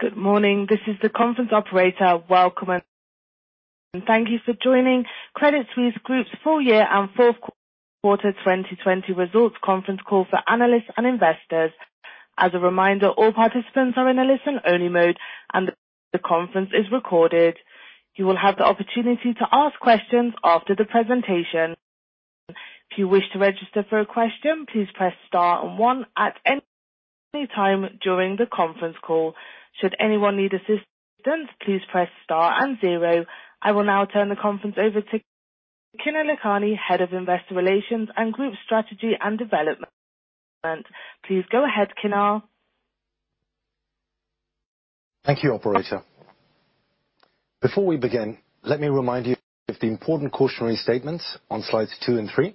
Welcome, and thank you for joining Credit Suisse Group's full year and fourth quarter 2020 results conference call for analysts and investors. As a reminder, all participants are in a listen-only mode, and the conference is recorded. You will have the opportunity to ask questions after the presentation. If you wish to register for a question, please press star and one at any time during the conference call. Should anyone need assistance, please press star and zero. I will now turn the conference over to Kinner Lakhani, Head of Investor Relations and Group Strategy and Development. Please go ahead, Kinner. Thank you, operator. Before we begin, let me remind you of the important cautionary statements on slides two and three,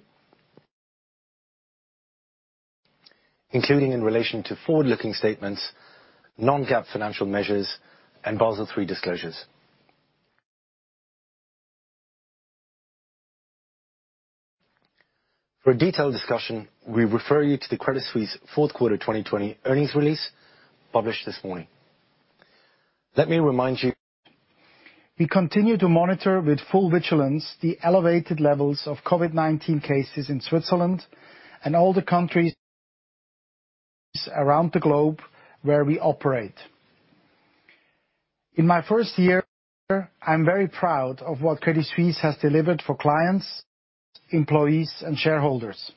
including in relation to forward-looking statements, non-GAAP financial measures, and Basel III disclosures. For a detailed discussion, we refer you to the Credit Suisse fourth-quarter 2020 earnings release published this morning. Let me remind you. We continue to monitor with full vigilance the elevated levels of COVID-19 cases in Switzerland and all the countries around the globe where we operate. In my first year, I'm very proud of what Credit Suisse has delivered for clients, employees, and shareholders.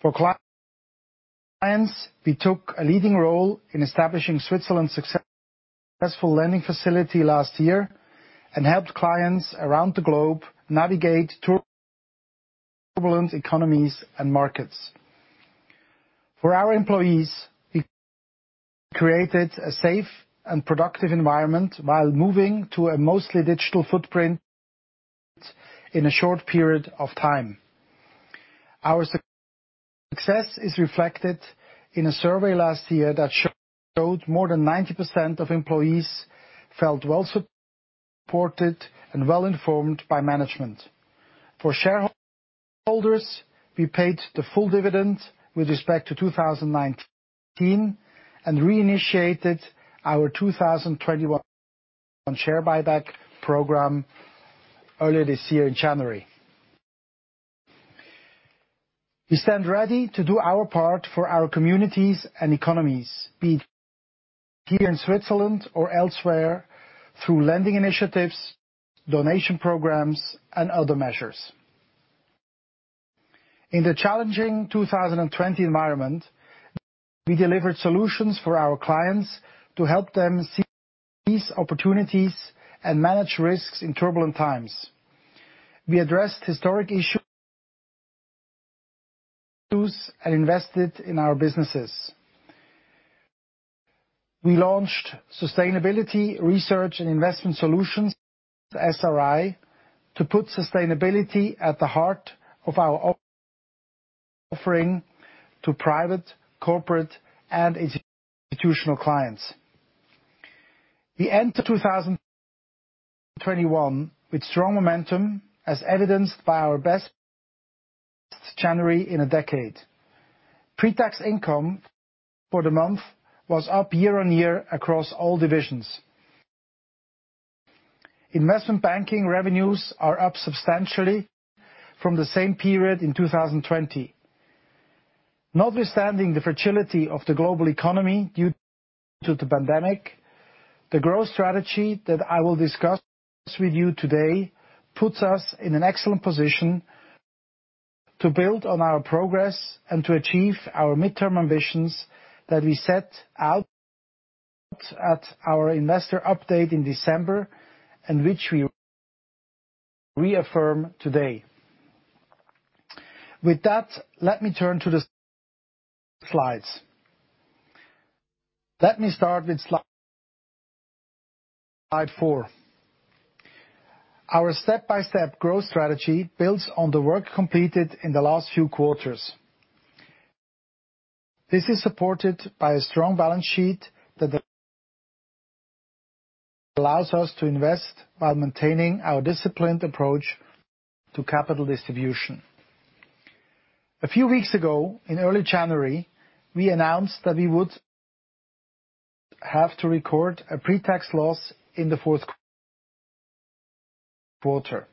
For clients, we took a leading role in establishing Switzerland's successful lending facility last year and helped clients around the globe navigate turbulent economies and markets. For our employees, we created a safe and productive environment while moving to a mostly digital footprint in a short period of time. Our success is reflected in a survey last year that showed more than 90% of employees felt well-supported and well-informed by management. For shareholders, we paid the full dividend with respect to 2019 and reinitiated our 2021 share buyback program earlier this year in January. We stand ready to do our part for our communities and economies, be it here in Switzerland or elsewhere, through lending initiatives, donation programs, and other measures. In the challenging 2020 environment, we delivered solutions for our clients to help them seize opportunities and manage risks in turbulent times. We addressed historic issues and invested in our businesses. We launched Sustainability, Research, and Investment Solutions, SRI, to put sustainability at the heart of our offering to private, corporate, and institutional clients. We enter 2021 with strong momentum, as evidenced by our best January in a decade. Pre-tax income for the month was up year-on-year across all divisions. Investment banking revenues are up substantially from the same period in 2020. Notwithstanding the fragility of the global economy due to the pandemic, the growth strategy that I will discuss with you today puts us in an excellent position to build on our progress and to achieve our midterm ambitions that we set out at our investor update in December and which we reaffirm today. With that, let me turn to the slides. Let me start with slide four. Our step-by-step growth strategy builds on the work completed in the last few quarters. This is supported by a strong balance sheet that allows us to invest while maintaining our disciplined approach to capital distribution. A few weeks ago, in early January, we announced that we would have to record a pre-tax loss in the fourth quarter.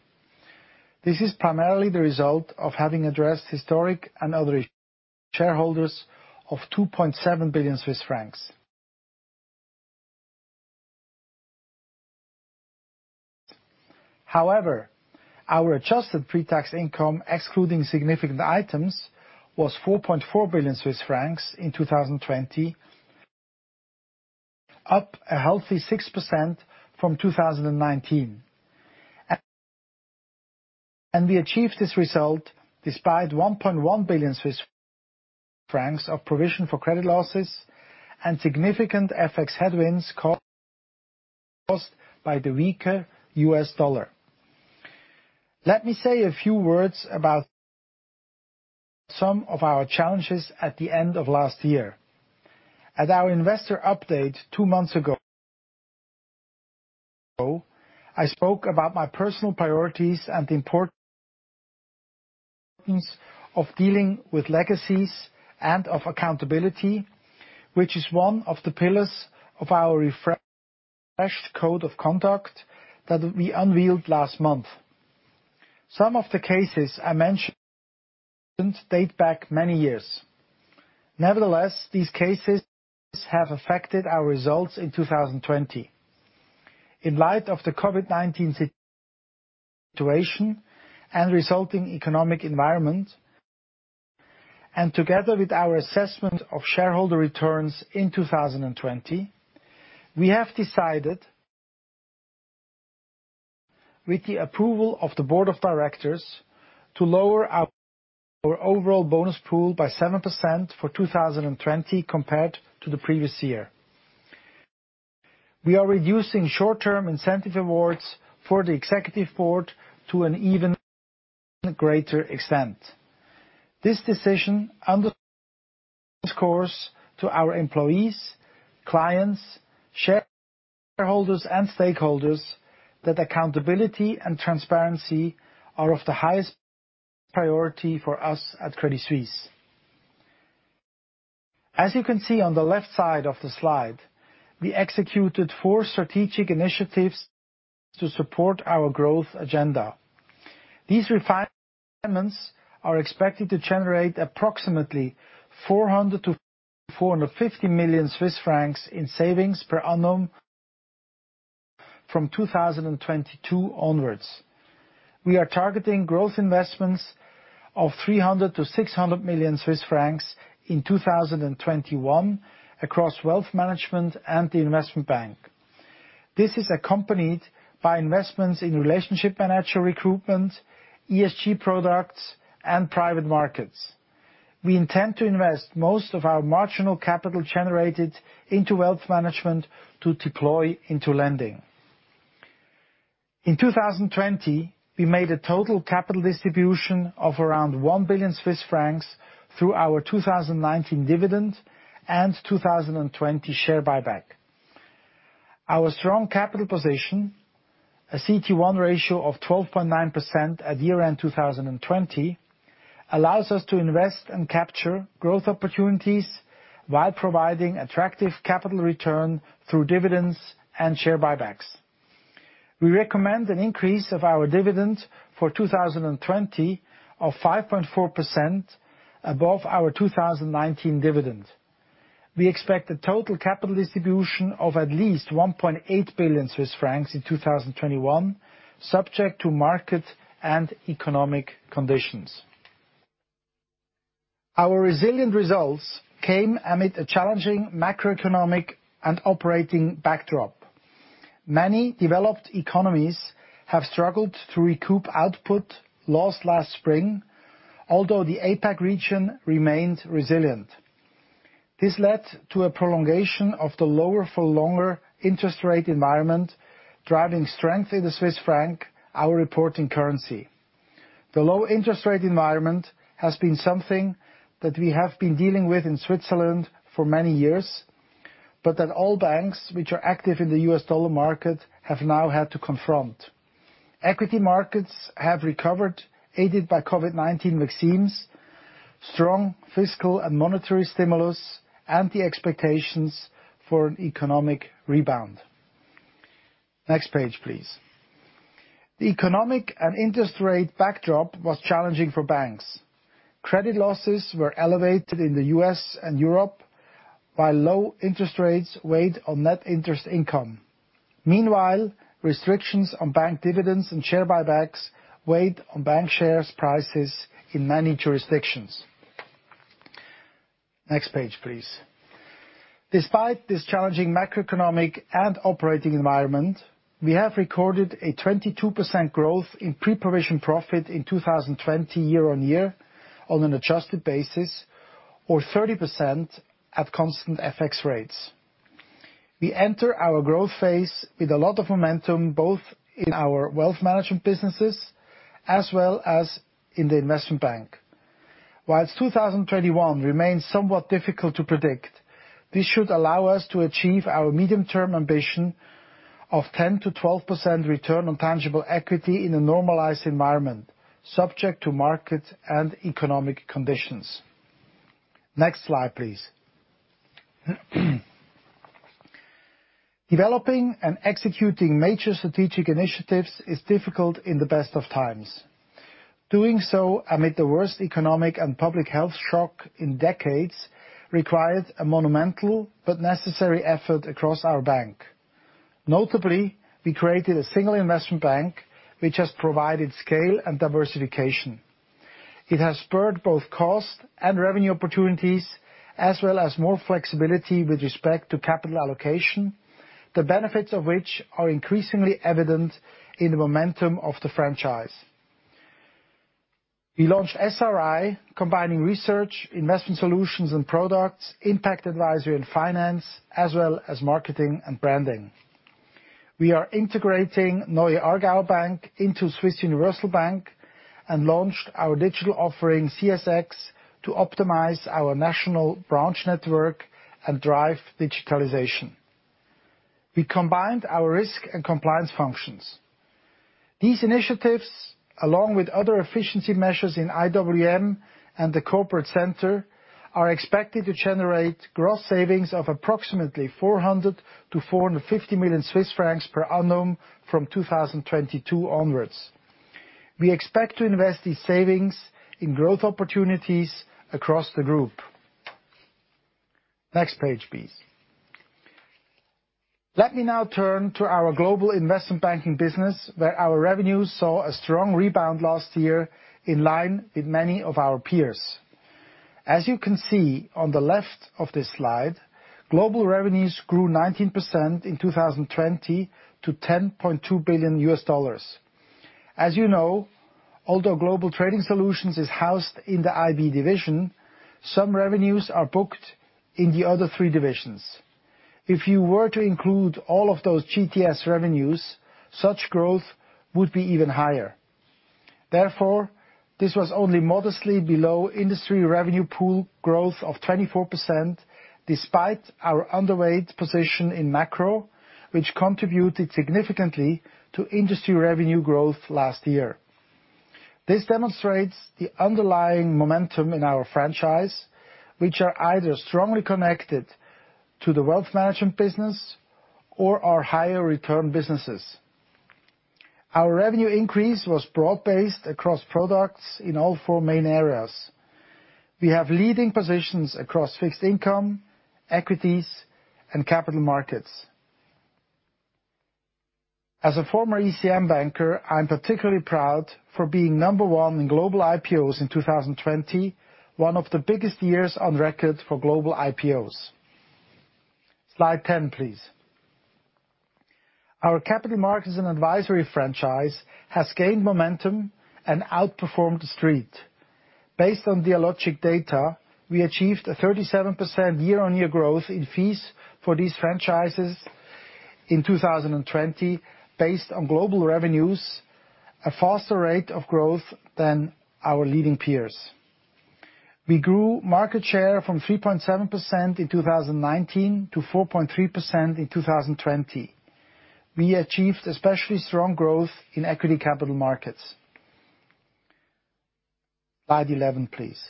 This is primarily the result of having addressed historic and other shareholders of CHF 2.7 billion. However, our adjusted pre-tax income, excluding significant items, was 4.4 billion Swiss francs in 2020, up a healthy 6% from 2019. We achieved this result despite 1.1 billion Swiss francs of provision for credit losses and significant FX headwinds caused by the weaker U.S. dollar. Let me say a few words about some of our challenges at the end of last year. At our investor update two months ago, I spoke about my personal priorities and the importance of dealing with legacies and of accountability, which is one of the pillars of our refreshed code of conduct that we unveiled last month. Some of the cases I mentioned date back many years. Nevertheless, these cases have affected our results in 2020. In light of the COVID-19 situation and resulting economic environment, and together with our assessment of shareholder returns in 2020, we have decided, with the approval of the board of directors, to lower our overall bonus pool by 7% for 2020 compared to the previous year. We are reducing short-term incentive awards for the executive board to an even greater extent. This decision underscores to our employees, clients, shareholders, and stakeholders that accountability and transparency are of the highest priority for us at Credit Suisse. As you can see on the left side of the slide, we executed four strategic initiatives to support our growth agenda. These refinements are expected to generate approximately 400 million-450 million Swiss francs in savings per annum from 2022 onwards. We are targeting growth investments of 300 million-600 million Swiss francs in 2021 across Wealth Management and the Investment Bank. This is accompanied by investments in relationship manager recruitment, ESG products, and private markets. We intend to invest most of our marginal capital generated into Wealth Management to deploy into lending. In 2020, we made a total capital distribution of around 1 billion Swiss francs through our 2019 dividend and 2020 share buyback. Our strong capital position, a CET1 ratio of 12.9% at year-end 2020, allows us to invest and capture growth opportunities while providing attractive capital return through dividends and share buybacks. We recommend an increase of our dividend for 2020 of 5.4% above our 2019 dividend. We expect a total capital distribution of at least 1.8 billion Swiss francs in 2021, subject to market and economic conditions. Our resilient results came amid a challenging macroeconomic and operating backdrop. Many developed economies have struggled to recoup output lost last spring, although the APAC region remained resilient. This led to a prolongation of the lower for longer interest rate environment, driving strength in the Swiss franc, our reporting currency. The low interest rate environment has been something that we have been dealing with in Switzerland for many years, but that all banks which are active in the U.S. dollar market have now had to confront. Equity markets have recovered, aided by COVID-19 vaccines, strong fiscal and monetary stimulus, and the expectations for an economic rebound. Next page, please. The economic and interest rate backdrop was challenging for banks. Credit losses were elevated in the U.S. and Europe, while low interest rates weighed on net interest income. Restrictions on bank dividends and share buybacks weighed on bank shares prices in many jurisdictions. Next page, please. Despite this challenging macroeconomic and operating environment, we have recorded a 22% growth in pre-provision profit in 2020 year-over-year on an adjusted basis, or 30% at constant FX rates. We enter our growth phase with a lot of momentum, both in our Wealth Management businesses as well as in the Investment Bank. Whilst 2021 remains somewhat difficult to predict, this should allow us to achieve our medium-term ambition of 10%-12% return on tangible equity in a normalized environment, subject to market and economic conditions. Next slide, please. Developing and executing major strategic initiatives is difficult in the best of times. Doing so amid the worst economic and public health shock in decades required a monumental but necessary effort across our bank. Notably, we created a single Investment Bank, which has provided scale and diversification. It has spurred both cost and revenue opportunities, as well as more flexibility with respect to capital allocation, the benefits of which are increasingly evident in the momentum of the franchise. We launched SRI, combining research, investment solutions and products, impact advisory and finance, as well as marketing and branding. We are integrating Neue Aargauer Bank into Swiss Universal Bank. We launched our digital offering, CSX, to optimize our national branch network and drive digitalization. We combined our risk and compliance functions. These initiatives, along with other efficiency measures in IWM and the corporate center, are expected to generate gross savings of approximately 400 million-450 million Swiss francs per annum from 2022 onwards. We expect to invest these savings in growth opportunities across the group. Next page, please. Let me now turn to our global investment banking business, where our revenues saw a strong rebound last year, in line with many of our peers. As you can see on the left of this slide, global revenues grew 19% in 2020 to $10.2 billion. As you know, although Global Trading Solutions is housed in the IB division, some revenues are booked in the other three divisions. If you were to include all of those GTS revenues, such growth would be even higher. Therefore, this was only modestly below industry revenue pool growth of 24%, despite our underweight position in macro, which contributed significantly to industry revenue growth last year. This demonstrates the underlying momentum in our franchise, which are either strongly connected to the Wealth Management business or our higher return businesses. Our revenue increase was broad-based across products in all four main areas. We have leading positions across fixed income, equities, and capital markets. As a former ECM banker, I'm particularly proud for being number one in global IPOs in 2020, one of the biggest years on record for global IPOs. Slide 10, please. Our capital markets and advisory franchise has gained momentum and outperformed the street. Based on Dealogic data, we achieved a 37% year-on-year growth in fees for these franchises in 2020. Based on global revenues, a faster rate of growth than our leading peers. We grew market share from 3.7% in 2019 to 4.3% in 2020. We achieved especially strong growth in equity capital markets. Slide 11, please.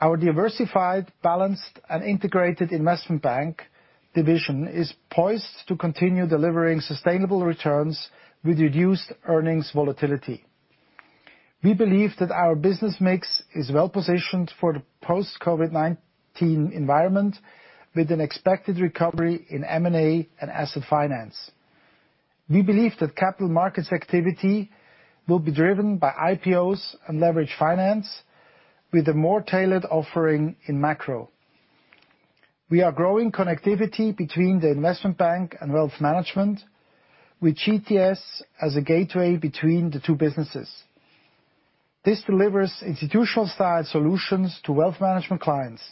Our diversified, balanced, and integrated Investment Bank division is poised to continue delivering sustainable returns with reduced earnings volatility. We believe that our business mix is well positioned for the post-COVID-19 environment, with an expected recovery in M&A and asset finance. We believe that capital markets activity will be driven by IPOs and leveraged finance with a more tailored offering in macro. We are growing connectivity between the Investment Bank and Wealth Management with GTS as a gateway between the two businesses. This delivers institutional-style solutions to Wealth Management clients.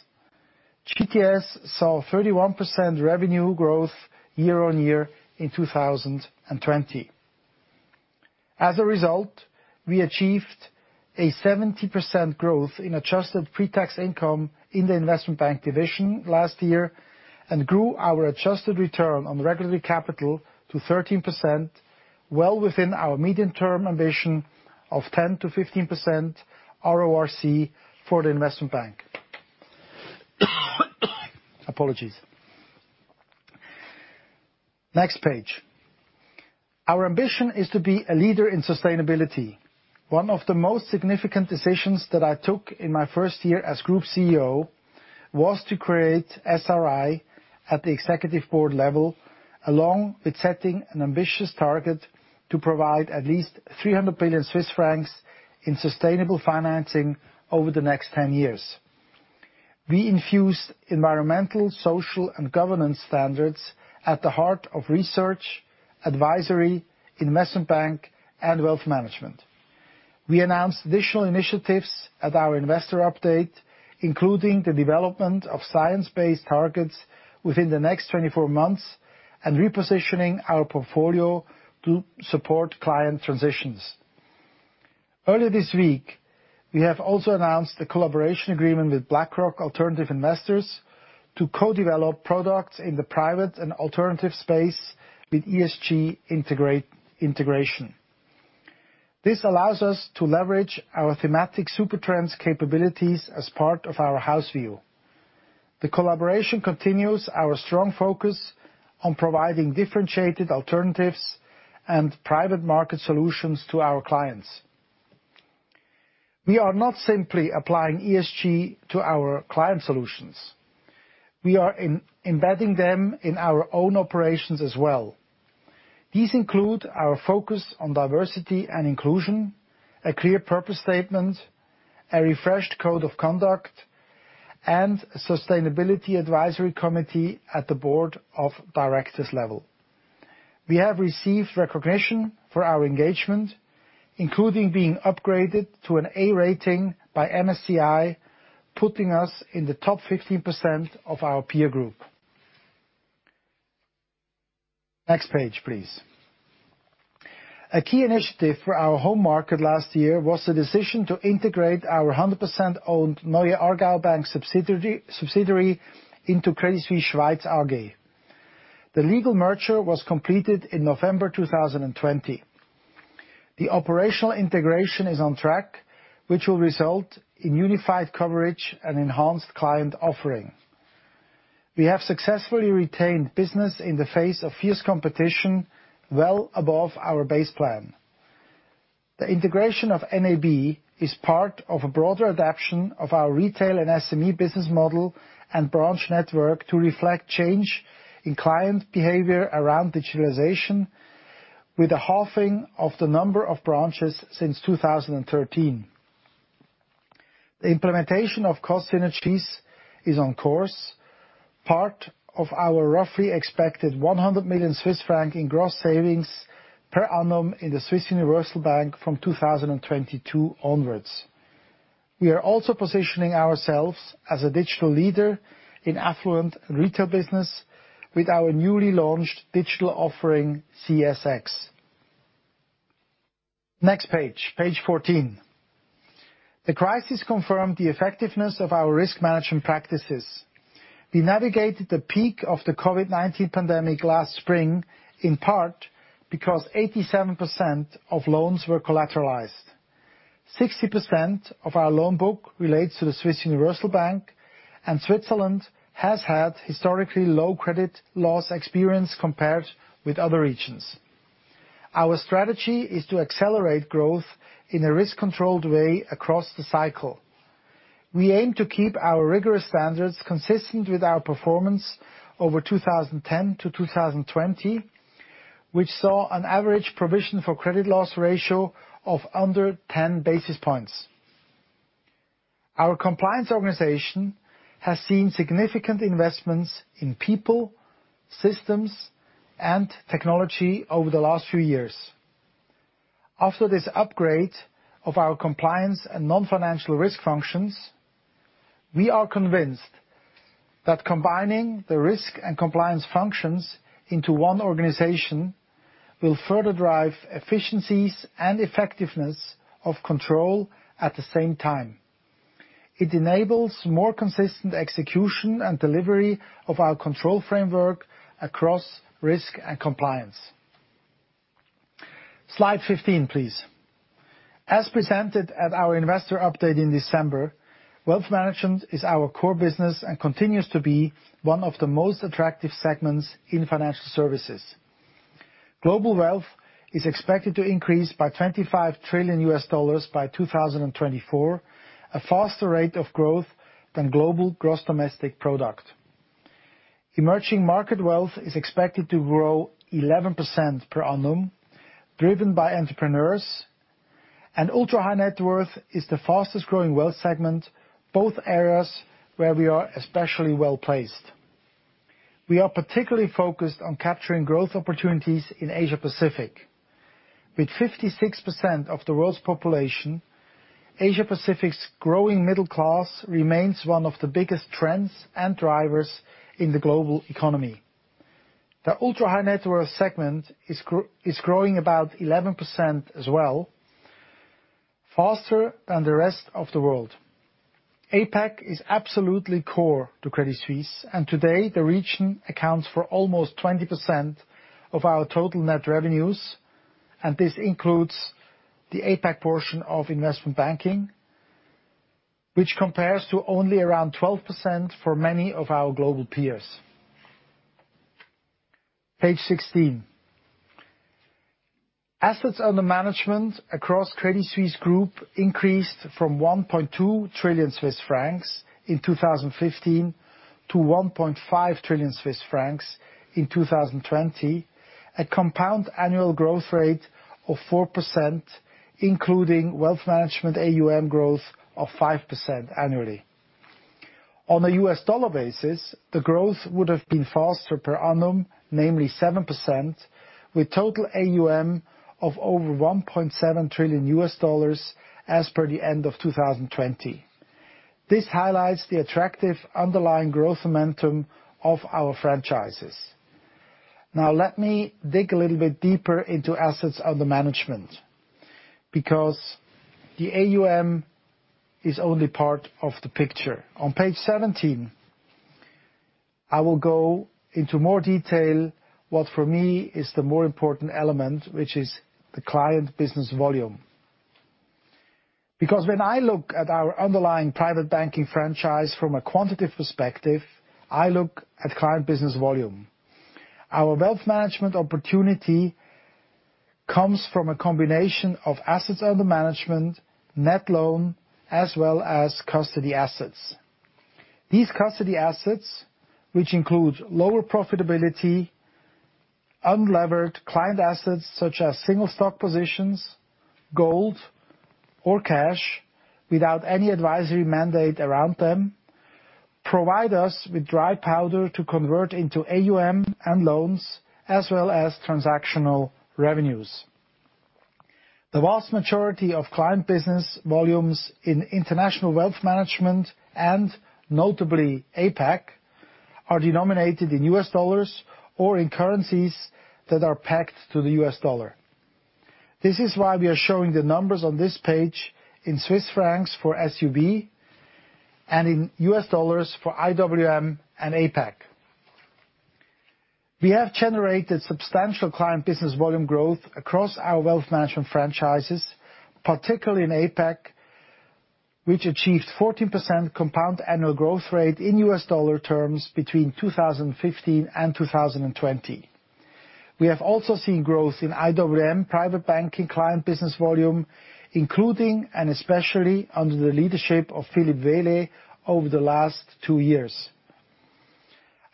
GTS saw 31% revenue growth year-on-year in 2020. As a result, we achieved a 70% growth in adjusted pre-tax income in the Investment Bank division last year, and grew our adjusted return on regulatory capital to 13%, well within our medium-term ambition of 10%-15% RoRC for the Investment Bank. Apologies. Next page. Our ambition is to be a leader in sustainability. One of the most significant decisions that I took in my first year as Group CEO was to create SRI at the Executive Board level, along with setting an ambitious target to provide at least 300 billion Swiss francs in sustainable financing over the next 10 years. We infused environmental, social, and governance standards at the heart of research, advisory, Investment Bank, and Wealth Management. We announced additional initiatives at our investor update, including the development of science-based targets within the next 24 months, and repositioning our portfolio to support client transitions. Early this week, we have also announced a collaboration agreement with BlackRock Alternative Investors to co-develop products in the private and alternative space with ESG integration. This allows us to leverage our thematic Supertrends capabilities as part of our house view. The collaboration continues our strong focus on providing differentiated alternatives and private market solutions to our clients. We are not simply applying ESG to our client solutions. We are embedding them in our own operations as well. These include our focus on diversity and inclusion, a clear purpose statement, a refreshed code of conduct, and sustainability advisory committee at the board of directors level. We have received recognition for our engagement, including being upgraded to an A rating by MSCI, putting us in the top 15% of our peer group. Next page, please. A key initiative for our home market last year was the decision to integrate our 100% owned Neue Aargauer Bank subsidiary into Credit Suisse (Schweiz) AG. The legal merger was completed in November 2020. The operational integration is on track, which will result in unified coverage and enhanced client offering. We have successfully retained business in the face of fierce competition, well above our base plan. The integration of NAB is part of a broader adaption of our retail and SME business model and branch network to reflect change in client behavior around digitalization with a halving of the number of branches since 2013. The implementation of cost synergies is on course, part of our roughly expected 100 million Swiss franc in gross savings per annum in the Swiss Universal Bank from 2022 onwards. We are also positioning ourselves as a digital leader in affluent retail business with our newly launched digital offering, CSX. Next page 14. The crisis confirmed the effectiveness of our risk management practices. We navigated the peak of the COVID-19 pandemic last spring, in part because 87% of loans were collateralized. 60% of our loan book relates to the Swiss Universal Bank, and Switzerland has had historically low credit loss experience compared with other regions. Our strategy is to accelerate growth in a risk-controlled way across the cycle. We aim to keep our rigorous standards consistent with our performance over 2010-2020, which saw an average provision for credit loss ratio of under 10 basis points. Our compliance organization has seen significant investments in people, systems, and technology over the last few years. After this upgrade of our compliance and non-financial risk functions, we are convinced that combining the risk and compliance functions into one organization will further drive efficiencies and effectiveness of control at the same time. It enables more consistent execution and delivery of our control framework across risk and compliance. Slide 15, please. As presented at our investor update in December, Wealth Management is our core business and continues to be one of the most attractive segments in financial services. Global wealth is expected to increase by CHF 25 trillion by 2024, a faster rate of growth than global gross domestic product. Emerging market wealth is expected to grow 11% per annum, driven by entrepreneurs. Ultra-high net worth is the fastest-growing wealth segment, both areas where we are especially well-placed. We are particularly focused on capturing growth opportunities in Asia-Pacific. With 56% of the world's population, Asia-Pacific's growing middle class remains one of the biggest trends and drivers in the global economy. The ultra-high net worth segment is growing about 11% as well, faster than the rest of the world. APAC is absolutely core to Credit Suisse. Today the region accounts for almost 20% of our total net revenues, and this includes the APAC portion of investment banking, which compares to only around 12% for many of our global peers. Page 16. Assets under management across Credit Suisse Group increased from 1.2 trillion Swiss francs in 2015 to 1.5 trillion Swiss francs in 2020, a compound annual growth rate of 4%, including Wealth Management AUM growth of 5% annually. On a U.S. dollar basis, the growth would have been faster per annum, namely 7%, with total AUM of over $1.7 trillion as per the end of 2020. This highlights the attractive underlying growth momentum of our franchises. Now, let me dig a little bit deeper into assets under management, because the AUM is only part of the picture. On page 17, I will go into more detail what for me is the more important element, which is the client business volume. When I look at our underlying private banking franchise from a quantitative perspective, I look at client business volume. Our Wealth Management opportunity comes from a combination of assets under management, net loan, as well as custody assets. These custody assets, which include lower profitability, unlevered client assets such as single stock positions, gold or cash without any advisory mandate around them, provide us with dry powder to convert into AUM and loans, as well as transactional revenues. The vast majority of client business volumes in International Wealth Management and notably APAC, are denominated in U.S. dollars or in currencies that are pegged to the U.S. dollar. This is why we are showing the numbers on this page Swiss francs for SUB and in U.S dollars for IWM and APAC. We have generated substantial client business volume growth across our Wealth Management franchises, particularly in APAC, which achieved 14% compound annual growth rate in $ terms between 2015 and 2020. We have also seen growth in IWM private banking client business volume, including and especially under the leadership of Philipp Wehle over the last two years.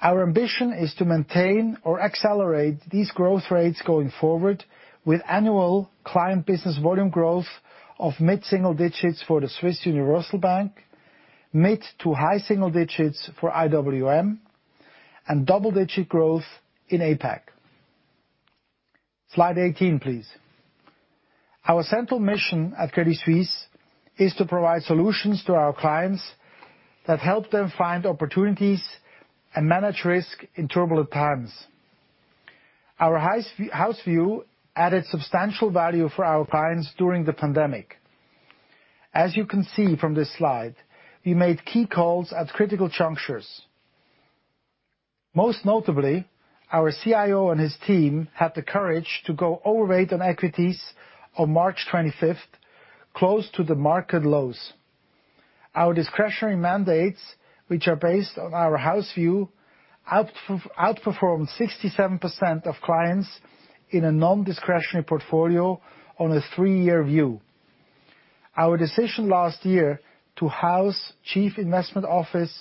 Our ambition is to maintain or accelerate these growth rates going forward with annual client business volume growth of mid-single digits for the Swiss Universal Bank, mid to high single digits for IWM, and double-digit growth in APAC. Slide 18, please. Our central mission at Credit Suisse is to provide solutions to our clients that help them find opportunities and manage risk in turbulent times. Our house view added substantial value for our clients during the pandemic. As you can see from this slide, we made key calls at critical junctures. Most notably, our CIO and his team had the courage to go overweight on equities on March 25th, close to the market lows. Our discretionary mandates, which are based on our house view, outperformed 67% of clients in a non-discretionary portfolio on a three-year view. Our decision last year to house Chief Investment Office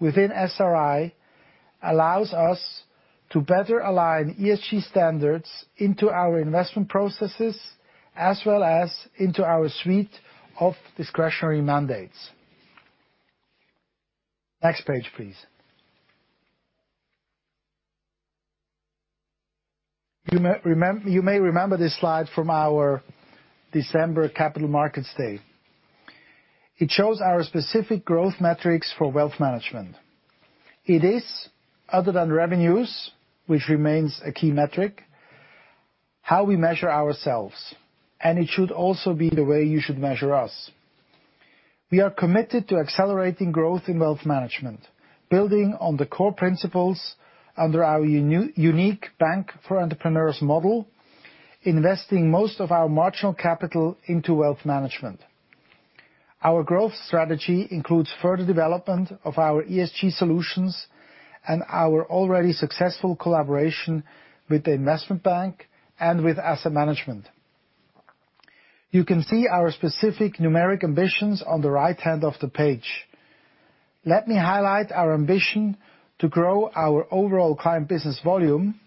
within SRI allows us to better align ESG standards into our investment processes, as well as into our suite of discretionary mandates. Next page, please. You may remember this slide from our December capital markets day. It shows our specific growth metrics for Wealth Management. It is, other than revenues, which remains a key metric, how we measure ourselves, and it should also be the way you should measure us. We are committed to accelerating growth in Wealth Management, building on the core principles under our unique bank for entrepreneurs model, investing most of our marginal capital into Wealth Management. Our growth strategy includes further development of our ESG solutions and our already successful collaboration with the Investment Bank and with Asset Management. You can see our specific numeric ambitions on the right-hand of the page. Let me highlight our ambition to grow our overall client business volume,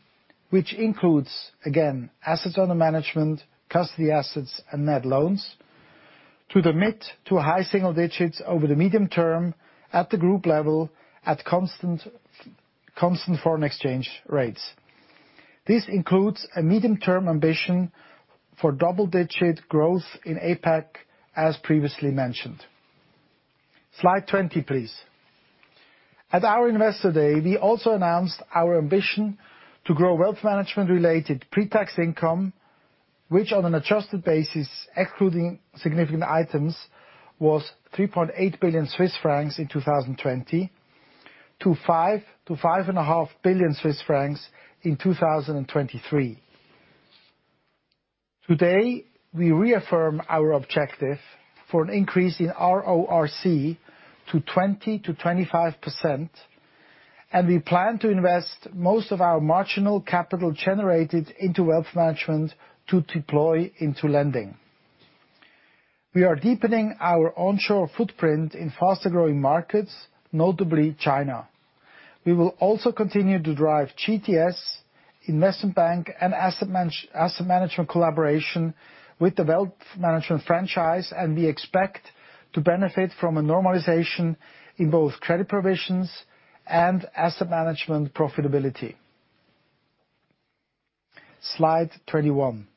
which includes, again, assets under management, custody assets, and net loans to the mid to high single digits over the medium term at the group level at constant foreign exchange rates. This includes a medium-term ambition for double-digit growth in APAC, as previously mentioned. Slide 20, please. At our Investor Day, we also announced our ambition to grow Wealth Management-related pre-tax income, which on an adjusted basis, excluding significant items, was 3.8 billion Swiss francs in 2020 to 5 billion-5.5 billion Swiss francs in 2023. Today, we reaffirm our objective for an increase in our RORC to 20%-25%. We plan to invest most of our marginal capital generated into Wealth Management to deploy into lending. We are deepening our onshore footprint in faster-growing markets, notably China. We will also continue to drive GTS Investment Bank and Asset Management collaboration with the Wealth Management franchise. We expect to benefit from a normalization in both credit provisions and Asset Management profitability. Slide 21.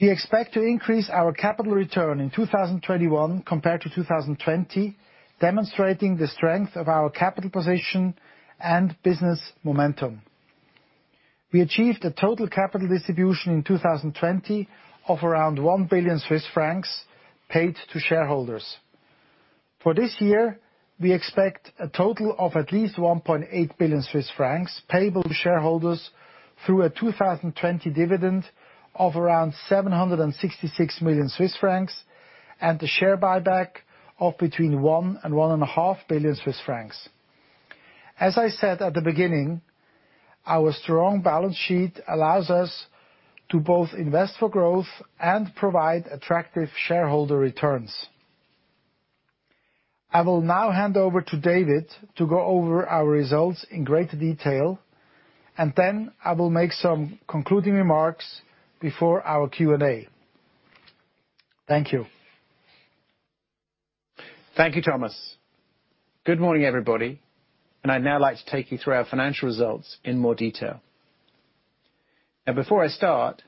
We expect to increase our capital return in 2021 compared to 2020, demonstrating the strength of our capital position and business momentum. We achieved a total capital distribution in 2020 of around 1 billion Swiss francs paid to shareholders. For this year, we expect a total of at least 1.8 billion Swiss francs payable to shareholders through a 2020 dividend of around 766 million Swiss francs and a share buyback of between 1 billion Swiss francs and 1.5 billion Swiss francs. As I said at the beginning, our strong balance sheet allows us to both invest for growth and provide attractive shareholder returns. I will now hand over to David to go over our results in great detail, and then I will make some concluding remarks before our Q&A. Thank you. Thank you, Thomas. Good morning, everybody. I'd now like to take you through our financial results in more detail. Now before I start,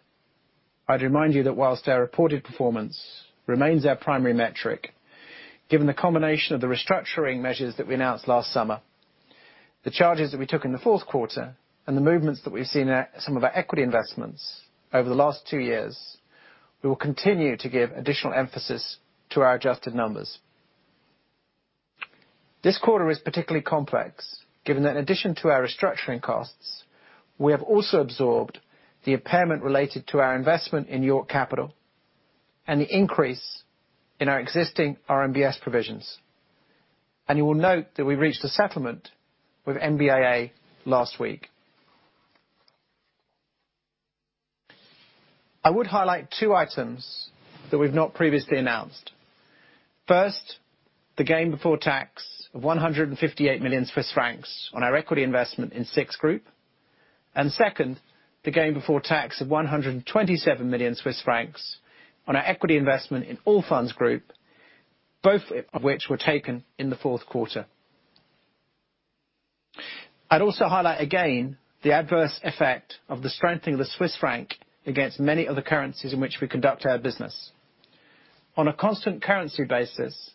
I'd remind you that whilst our reported performance remains our primary metric, given the combination of the restructuring measures that we announced last summer, the charges that we took in the fourth quarter, and the movements that we've seen at some of our equity investments over the last two years, we will continue to give additional emphasis to our adjusted numbers. This quarter is particularly complex given that in addition to our restructuring costs, we have also absorbed the impairment related to our investment in York Capital and the increase in our existing RMBS provisions. You will note that we reached a settlement with MBIA last week. I would highlight two items that we've not previously announced. First, the gain before tax of 158 million Swiss francs on our equity investment in SIX Group. Second, the gain before tax of 127 million Swiss francs on our equity investment in Allfunds Group, both of which were taken in the fourth quarter. I'd also highlight again the adverse effect of the strengthening of the Swiss franc against many other currencies in which we conduct our business. On a constant currency basis,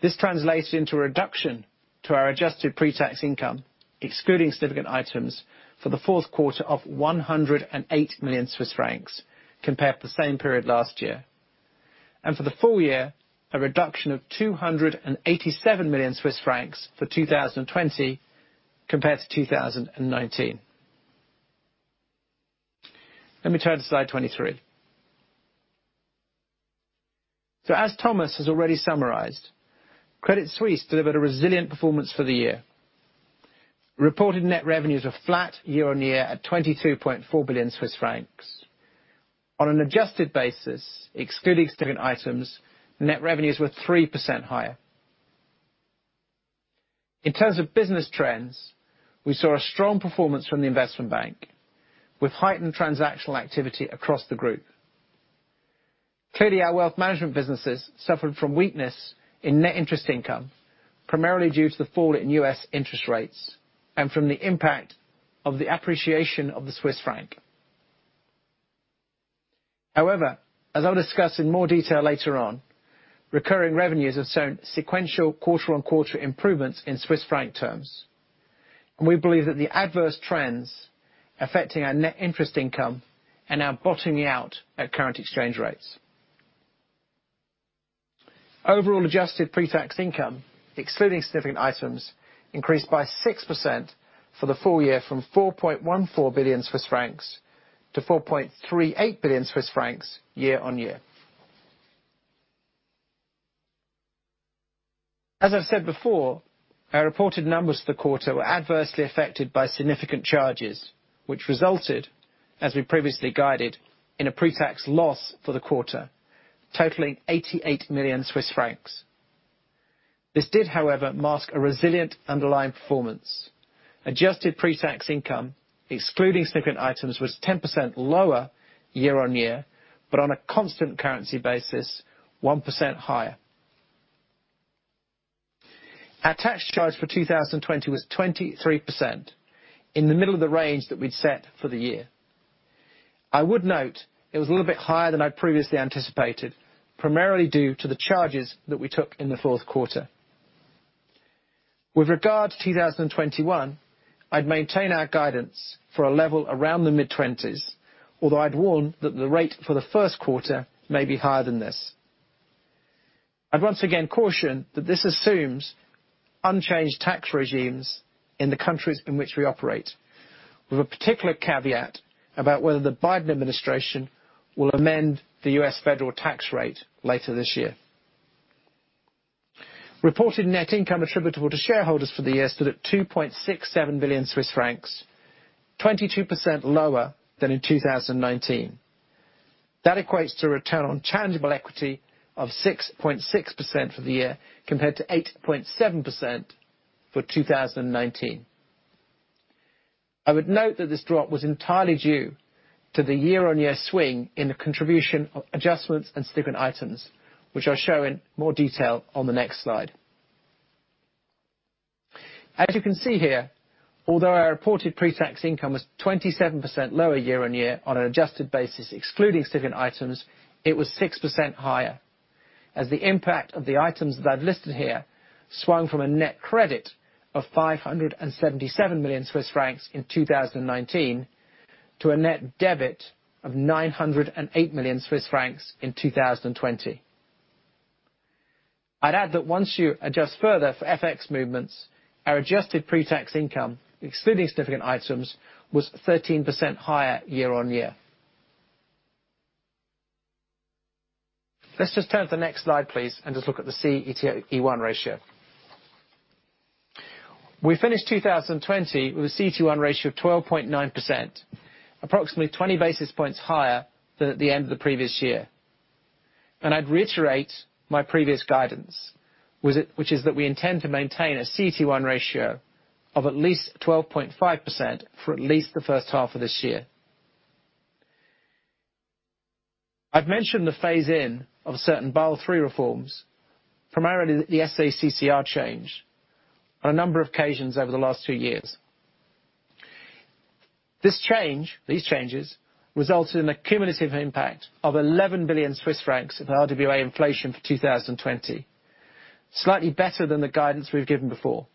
this translated into a reduction to our adjusted pretax income, excluding significant items for the fourth quarter of 108 million Swiss francs compared to the same period last year. For the full year, a reduction of 287 million Swiss francs for 2020 compared to 2019. Let me turn to slide 23. As Thomas has already summarized, Credit Suisse delivered a resilient performance for the year. Reported net revenues were flat year-on-year at 22.4 billion Swiss francs. On an adjusted basis, excluding significant items, net revenues were 3% higher. In terms of business trends, we saw a strong performance from the Investment Bank with heightened transactional activity across the group. Clearly, our Wealth Management businesses suffered from weakness in net interest income, primarily due to the fall in U.S. interest rates and from the impact of the appreciation of the Swiss franc. However, as I'll discuss in more detail later on, recurring revenues have shown sequential quarter-on-quarter improvements in Swiss franc terms, and we believe that the adverse trends affecting our net interest income are now bottoming out at current exchange rates. Overall adjusted pretax income, excluding significant items, increased by 6% for the full year from 4.14 billion Swiss francs to 4.38 billion Swiss francs year-on-year. As I've said before, our reported numbers for the quarter were adversely affected by significant charges, which resulted, as we previously guided, in a pretax loss for the quarter, totaling 88 million Swiss francs. This did, however, mask a resilient underlying performance. Adjusted pretax income, excluding significant items, was 10% lower year-on-year. On a constant currency basis, 1% higher. Our tax charge for 2020 was 23%, in the middle of the range that we'd set for the year. I would note it was a little bit higher than I'd previously anticipated, primarily due to the charges that we took in the fourth quarter. With regard to 2021, I'd maintain our guidance for a level around the mid-20s, although I'd warn that the rate for the first quarter may be higher than this. I'd once again caution that this assumes unchanged tax regimes in the countries in which we operate, with a particular caveat about whether the Biden administration will amend the U.S. federal tax rate later this year. Reported net income attributable to shareholders for the year stood at 2.67 billion Swiss francs, 22% lower than in 2019. That equates to a return on tangible equity of 6.6% for the year, compared to 8.7% for 2019. I would note that this drop was entirely due to the year-on-year swing in the contribution of adjustments and significant items, which I'll show in more detail on the next slide. As you can see here, although our reported pretax income was 27% lower year-on-year, on an adjusted basis excluding significant items, it was 6% higher, as the impact of the items that I've listed here swung from a net credit of 577 million Swiss francs in 2019 to a net debit of 908 million Swiss francs in 2020. I'd add that once you adjust further for FX movements, our adjusted pretax income, excluding significant items, was 13% higher year-on-year. Let's just turn to the next slide, please, and just look at the CET1 ratio. We finished 2020 with a CET1 ratio of 12.9%, approximately 20 basis points higher than at the end of the previous year. I'd reiterate my previous guidance, which is that we intend to maintain a CET1 ratio of at least 12.5% for at least the first half of this year. I've mentioned the phase-in of certain Basel III reforms, primarily the SA-CCR change, on a number of occasions over the last two years. These changes resulted in a cumulative impact of 11 billion Swiss francs of RWA inflation for 2020, slightly better than the guidance we've given before.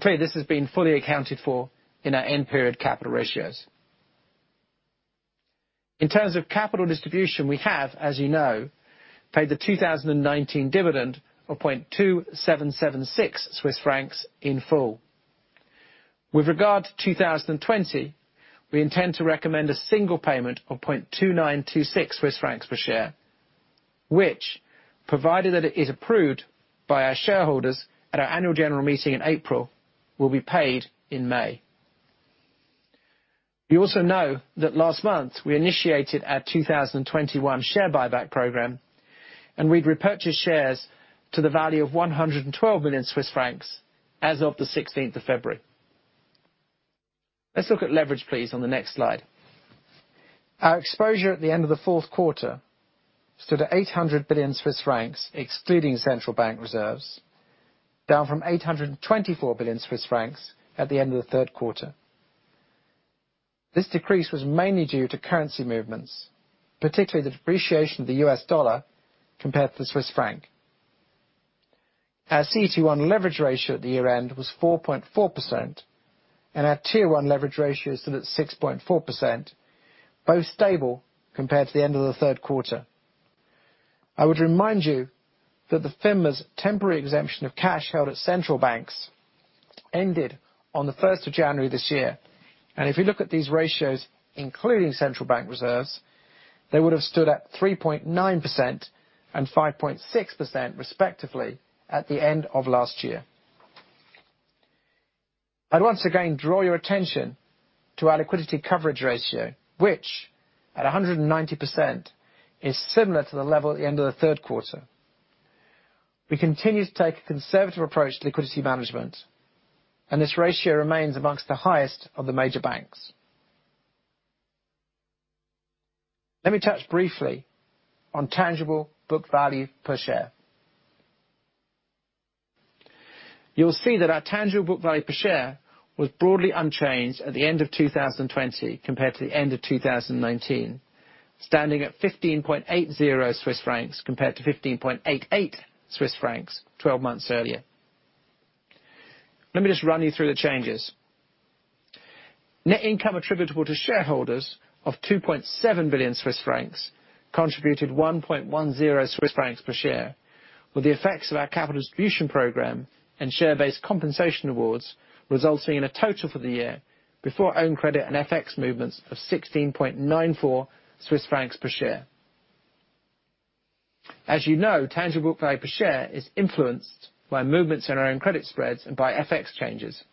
Clearly, this has been fully accounted for in our end period capital ratios. In terms of capital distribution, we have, as you know, paid the 2019 dividend of 0.2776 Swiss francs in full. With regard to 2020, we intend to recommend a single payment of 0.2926 Swiss francs per share, which, provided that it is approved by our shareholders at our annual general meeting in April, will be paid in May. You also know that last month we initiated our 2021 share buyback program, and we'd repurchased shares to the value of 112 million Swiss francs as of the 16th of February. Let's look at leverage, please, on the next slide. Our exposure at the end of the fourth quarter stood at 800 billion Swiss francs, excluding central bank reserves, down from 824 billion Swiss francs at the end of the third quarter. This decrease was mainly due to currency movements, particularly the depreciation of the U.S. dollar compared to the Swiss franc. Our CET1 leverage ratio at the year-end was 4.4%, and our Tier 1 leverage ratio stood at 6.4%, both stable compared to the end of the third quarter. I would remind you that the FINMA's temporary exemption of cash held at central banks ended on the 1st of January this year. If you look at these ratios, including central bank reserves, they would have stood at 3.9% and 5.6%, respectively, at the end of last year. I'd once again draw your attention to our liquidity coverage ratio, which at 190% is similar to the level at the end of the third quarter. We continue to take a conservative approach to liquidity management, and this ratio remains amongst the highest of the major banks. Let me touch briefly on tangible book value per share. You will see that our tangible book value per share was broadly unchanged at the end of 2020 compared to the end of 2019, standing at 15.80 Swiss francs compared to 15.88 Swiss francs 12 months earlier. Let me just run you through the changes. Net income attributable to shareholders of 2.7 billion Swiss francs contributed 1.10 Swiss francs per share, with the effects of our capital distribution program and share-based compensation awards resulting in a total for the year before own credit and FX movements of 16.94 Swiss francs per share. As you know, tangible book value per share is influenced by movements in our own credit spreads and by FX changes,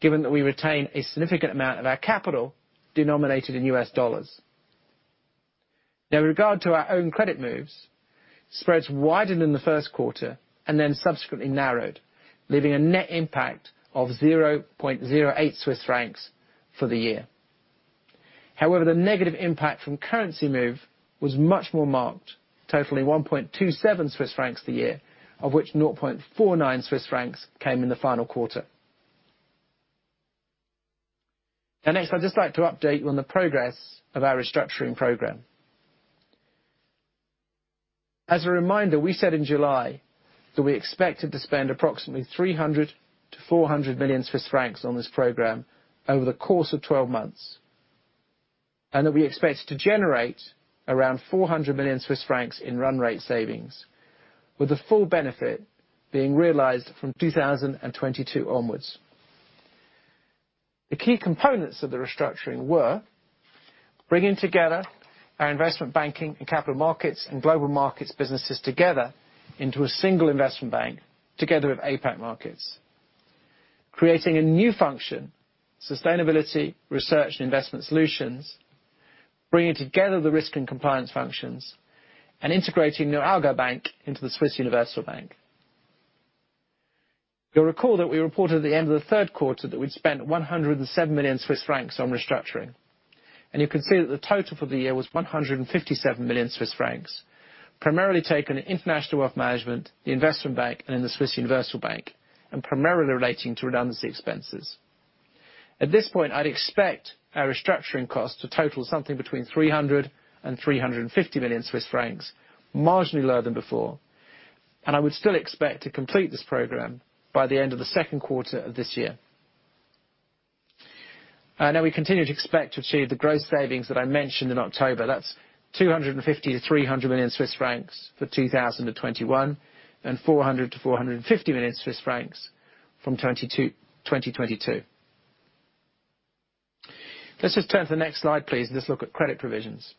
given that we retain a significant amount of our capital denominated in U.S. dollars. Now, with regard to our own credit moves, spreads widened in the first quarter and then subsequently narrowed, leaving a net impact of 0.08 Swiss francs for the year. However, the negative impact from currency move was much more marked, totaling 1.27 Swiss francs the year, of which 0.49 Swiss francs came in the final quarter. Next, I'd just like to update you on the progress of our restructuring program. As a reminder, we said in July that we expected to spend approximately 300 million-400 million Swiss francs on this program over the course of 12 months, and that we expected to generate around 400 million Swiss francs in run rate savings, with the full benefit being realized from 2022 onwards. The key components of the restructuring were bringing together our Investment Banking and Capital Markets and Global Markets businesses together into a single Investment Bank together with APAC Markets, creating a new function, Sustainability, Research and Investment Solutions, bringing together the risk and compliance functions, and integrating the Aargauer Bank into the Swiss Universal Bank. You'll recall that we reported at the end of the third quarter that we'd spent 107 million Swiss francs on restructuring. You can see that the total for the year was 157 million Swiss francs, primarily taken in International Wealth Management, the Investment Bank, and in the Swiss Universal Bank, primarily relating to redundancy expenses. At this point, I'd expect our restructuring costs to total something between 300 million Swiss francs and 350 million Swiss francs, marginally lower than before. I would still expect to complete this program by the end of the second quarter of this year. Now we continue to expect to achieve the gross savings that I mentioned in October. That's 250 million to 300 million Swiss francs for 2021. 400 million to 450 million Swiss francs from 2022. Let's just turn to the next slide, please. Let's look at credit provisions.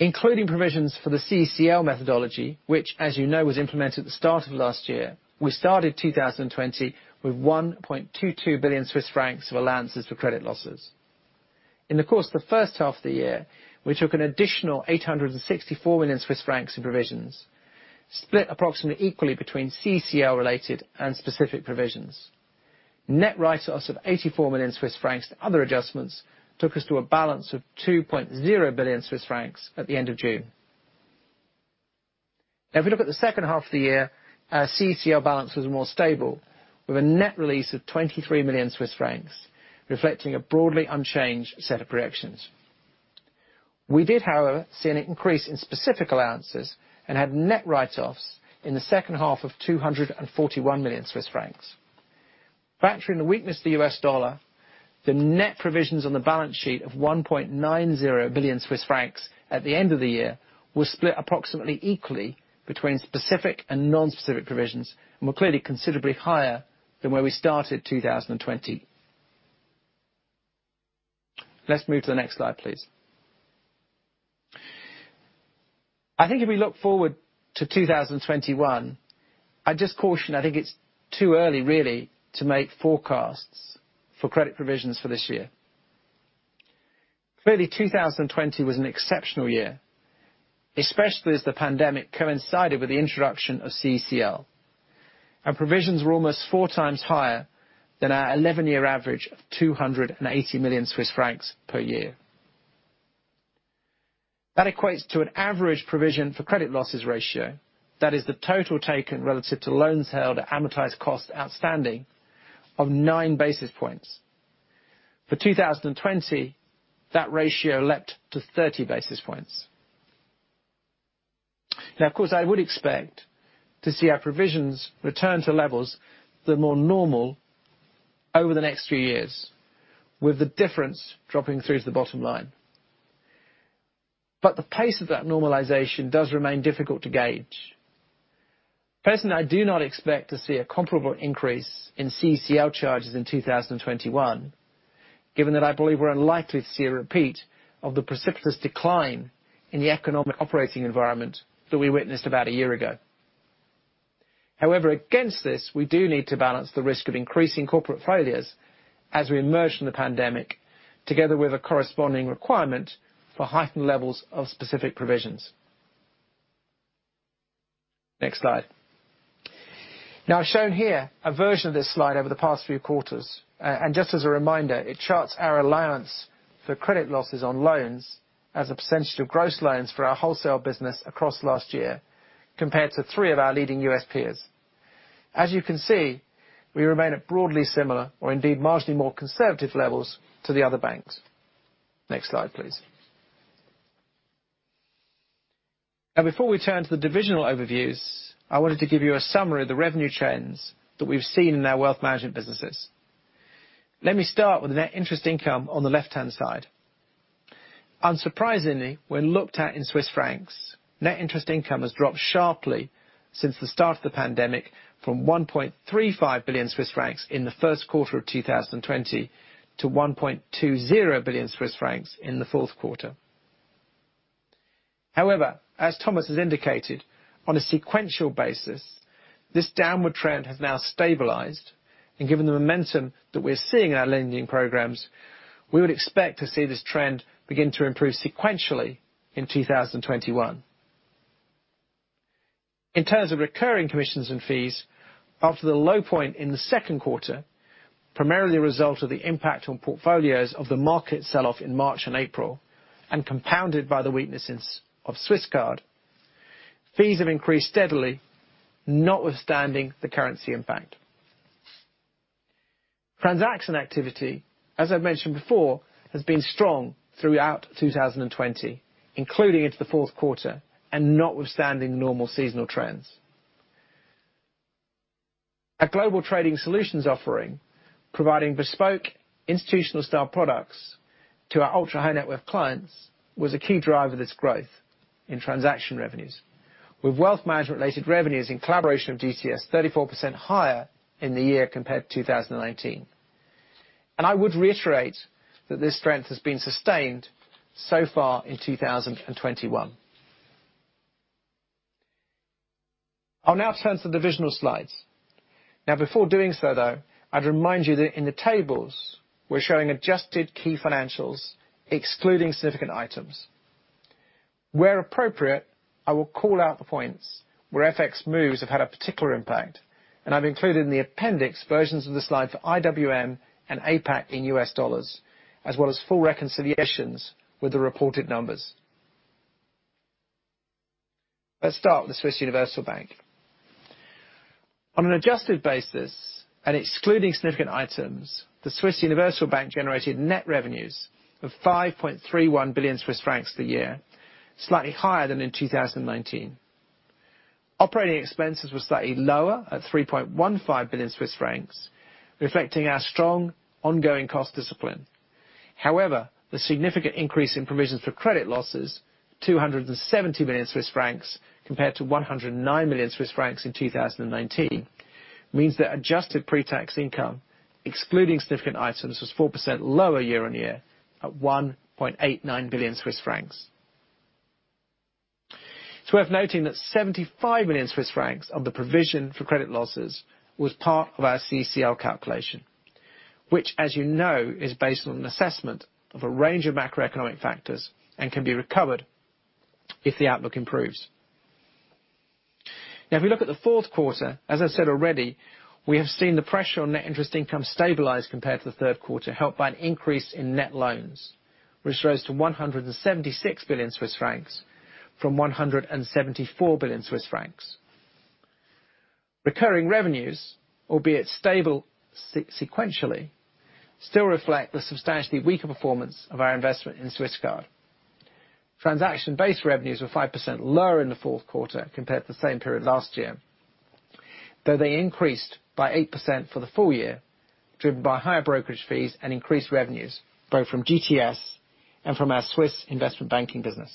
Including provisions for the CECL methodology, which as you know, was implemented at the start of last year. We started 2020 with 1.22 billion Swiss francs of allowances for credit losses. In the course of the first half of the year, we took an additional 864 million Swiss francs in provisions, split approximately equally between CECL-related and specific provisions. Net write-offs of 84 million Swiss francs to other adjustments took us to a balance of 2.0 billion Swiss francs at the end of June. If we look at the second half of the year, our CECL balance was more stable, with a net release of 23 million Swiss francs, reflecting a broadly unchanged set of corrections. We did, however, see an increase in specific allowances and had net write-offs in the second half of 241 million Swiss francs. Factoring the weakness of the U.S. dollar, the net provisions on the balance sheet of 1.90 billion Swiss francs at the end of the year were split approximately equally between specific and non-specific provisions and were clearly considerably higher than where we started 2020. Let's move to the next slide, please. I think if we look forward to 2021, I'd just caution, I think it's too early really to make forecasts for credit provisions for this year. Clearly, 2020 was an exceptional year, especially as the pandemic coincided with the introduction of CECL. Our provisions were almost four times higher than our 11-year average of 280 million Swiss francs per year. That equates to an average provision for credit losses ratio. That is the total taken relative to loans held amortized cost outstanding of nine basis points. For 2020, that ratio leapt to 30 basis points. Now, of course, I would expect to see our provisions return to levels that are more normal over the next few years, with the difference dropping through to the bottom line. The pace of that normalization does remain difficult to gauge. Personally, I do not expect to see a comparable increase in CECL charges in 2021, given that I believe we're unlikely to see a repeat of the precipitous decline in the economic operating environment that we witnessed about a year ago. Against this, we do need to balance the risk of increasing corporate failures as we emerge from the pandemic, together with a corresponding requirement for heightened levels of specific provisions. Next slide. I've shown here a version of this slide over the past few quarters, and just as a reminder, it charts our allowance for credit losses on loans as a percentage of gross loans for our wholesale business across last year compared to three of our leading U.S. peers. As you can see, we remain at broadly similar or indeed marginally more conservative levels to the other banks. Next slide, please. Before we turn to the divisional overviews, I wanted to give you a summary of the revenue trends that we've seen in our Wealth Management businesses. Let me start with the net interest income on the left-hand side. Unsurprisingly, when looked at Swiss francs, net interest income has dropped sharply since the start of the pandemic from 1.35 billion Swiss francs in the first quarter of 2020 to 1.20 billion Swiss francs in the fourth quarter. As Thomas has indicated, on a sequential basis, this downward trend has now stabilized and given the momentum that we're seeing in our lending programs, we would expect to see this trend begin to improve sequentially in 2021. In terms of recurring commissions and fees, after the low point in the second quarter, primarily a result of the impact on portfolios of the market sell-off in March and April, and compounded by the weaknesses of Swisscard, fees have increased steadily, notwithstanding the currency impact. Transaction activity, as I've mentioned before, has been strong throughout 2020, including into the fourth quarter and notwithstanding normal seasonal trends. Our Global Trading Solutions offering, providing bespoke institutional style products to our ultra high net worth clients, was a key driver of this growth in transaction revenues, with Wealth Management related revenues in collaboration with GTS 34% higher in the year compared to 2019. I would reiterate that this strength has been sustained so far in 2021. I'll now turn to the divisional slides. Before doing so though, I'd remind you that in the tables, we're showing adjusted key financials, excluding significant items. Where appropriate, I will call out the points where FX moves have had a particular impact, and I've included in the appendix versions of the slide for IWM and APAC in $ as well as full reconciliations with the reported numbers. Let's start with Swiss Universal Bank. On an adjusted basis and excluding significant items, the Swiss Universal Bank generated net revenues of 5.31 billion Swiss francs for the year, slightly higher than in 2019. Operating expenses were slightly lower at 3.15 billion Swiss francs, reflecting our strong ongoing cost discipline. However, the significant increase in provisions for credit losses, 270 million Swiss francs compared to 109 million Swiss francs in 2019, means that adjusted pre-tax income, excluding significant items, was 4% lower year-on-year at 1.89 billion Swiss francs. It's worth noting that 75 million Swiss francs of the provision for credit losses was part of our CECL calculation, which as you know, is based on an assessment of a range of macroeconomic factors and can be recovered if the outlook improves. Now, if we look at the fourth quarter, as I said already, we have seen the pressure on net interest income stabilize compared to the third quarter, helped by an increase in net loans, which rose to 176 billion Swiss francs from 174 billion Swiss francs. Recurring revenues, albeit stable sequentially, still reflect the substantially weaker performance of our investment in Swisscard. Transaction-based revenues were 5% lower in the fourth quarter compared to the same period last year, though they increased by 8% for the full year, driven by higher brokerage fees and increased revenues, both from GTS and from our Swiss investment banking business.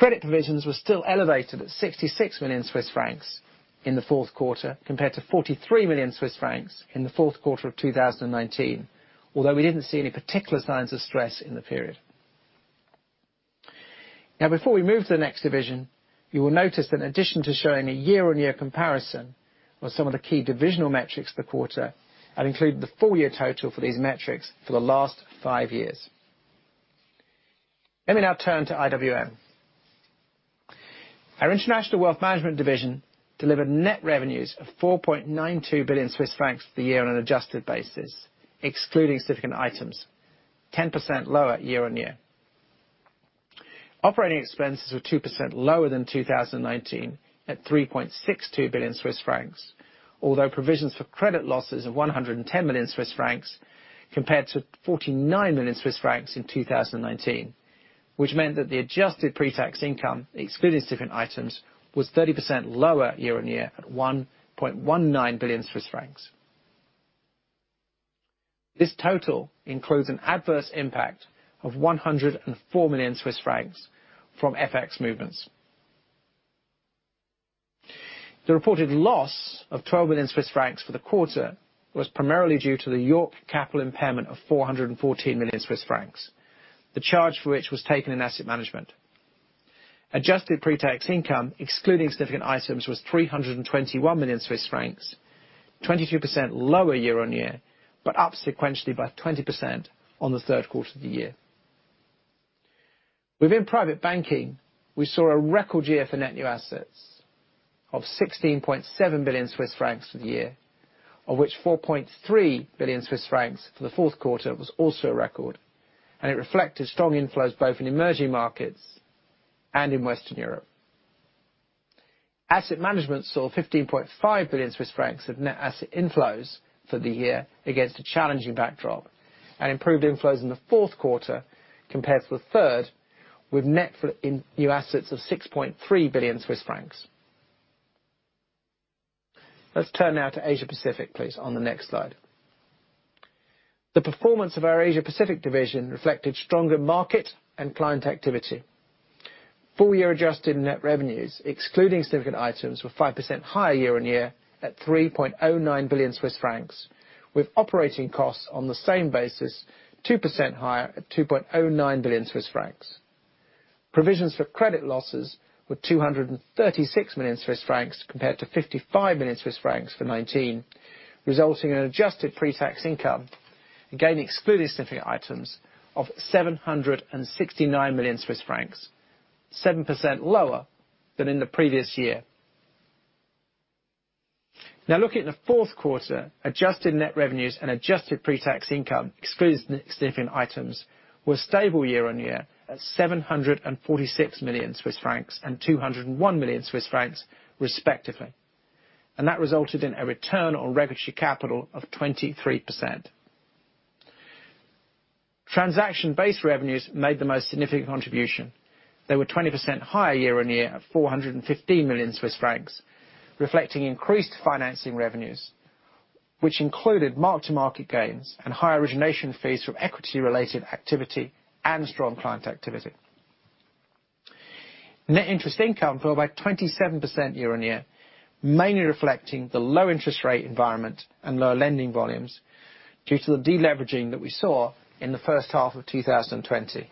Credit provisions were still elevated at 66 million Swiss francs in the fourth quarter, compared to 43 million Swiss francs in the fourth quarter of 2019. Although we didn't see any particular signs of stress in the period. Now, before we move to the next division, you will notice that in addition to showing a year-on-year comparison of some of the key divisional metrics for the quarter, I've included the full year total for these metrics for the last five years. Let me now turn to IWM. Our International Wealth Management delivered net revenues of 4.92 billion Swiss francs for the year on an adjusted basis, excluding significant items, 10% lower year-on-year. Operating expenses were 2% lower than 2019 at 3.62 billion Swiss francs, although provisions for credit losses of 110 million Swiss francs compared to 49 million Swiss francs in 2019, which meant that the adjusted pre-tax income, excluding significant items, was 30% lower year-on-year at 1.19 billion Swiss francs. This total includes an adverse impact of 104 million Swiss francs from FX movements. The reported loss of 12 million Swiss francs for the quarter was primarily due to the York Capital impairment of 414 million Swiss francs, the charge for which was taken in Asset Management. Adjusted pretax income excluding significant items was 321 million Swiss francs, 22% lower year-on-year. Up sequentially by 20% on the third quarter of the year. Within private banking, we saw a record year for net new assets of 16.7 billion Swiss francs for the year, of which 4.3 billion Swiss francs for the fourth quarter was also a record. It reflected strong inflows both in emerging markets and in Western Europe. Asset Management saw 15.5 billion Swiss francs of net asset inflows for the year against a challenging backdrop. Improved inflows in the fourth quarter compared to the third, with net new assets of 6.3 billion Swiss francs. Let's turn now to Asia Pacific, please, on the next slide. The performance of our Asia Pacific division reflected stronger market and client activity. Full-year adjusted net revenues, excluding significant items, were 5% higher year-on-year at 3.09 billion Swiss francs, with operating costs on the same basis 2% higher at 2.09 billion Swiss francs. Provisions for credit losses were 236 million Swiss francs compared to 55 million Swiss francs for 2019, resulting in an adjusted pre-tax income, again excluding significant items, of 769 million Swiss francs, 7% lower than in the previous year. Looking at the fourth quarter, adjusted net revenues and adjusted pre-tax income excluding significant items were stable year-on-year at 746 million Swiss francs and 201 million Swiss francs respectively. That resulted in a return on regulatory capital of 23%. Transaction-based revenues made the most significant contribution. They were 20% higher year-on-year at 415 million Swiss francs, reflecting increased financing revenues, which included mark-to-market gains and higher origination fees from equity-related activity and strong client activity. Net interest income fell by 27% year-on-year, mainly reflecting the low interest rate environment and lower lending volumes due to the de-leveraging that we saw in the first half of 2020.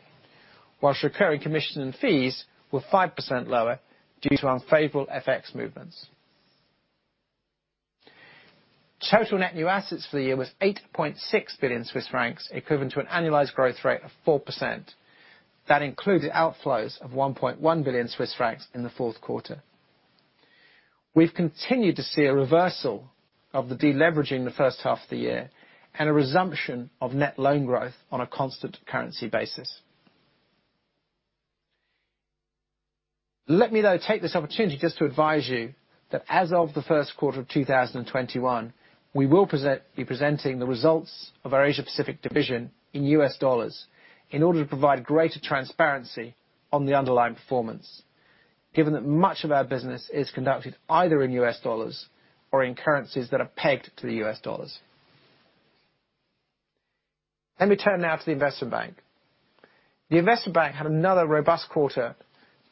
Recurring commission and fees were 5% lower due to unfavorable FX movements. Total net new assets for the year was 8.6 billion Swiss francs, equivalent to an annualized growth rate of 4%. That included outflows of 1.1 billion Swiss francs in the fourth quarter. We've continued to see a reversal of the de-leveraging the first half of the year and a resumption of net loan growth on a constant currency basis. Let me, though, take this opportunity just to advise you that as of the first quarter of 2021, we will be presenting the results of our Asia Pacific division in U.S. dollars in order to provide greater transparency on the underlying performance, given that much of our business is conducted either in U.S. dollars or in currencies that are pegged to the U.S. dollars. Let me turn now to the Investment Bank. The Investment Bank had another robust quarter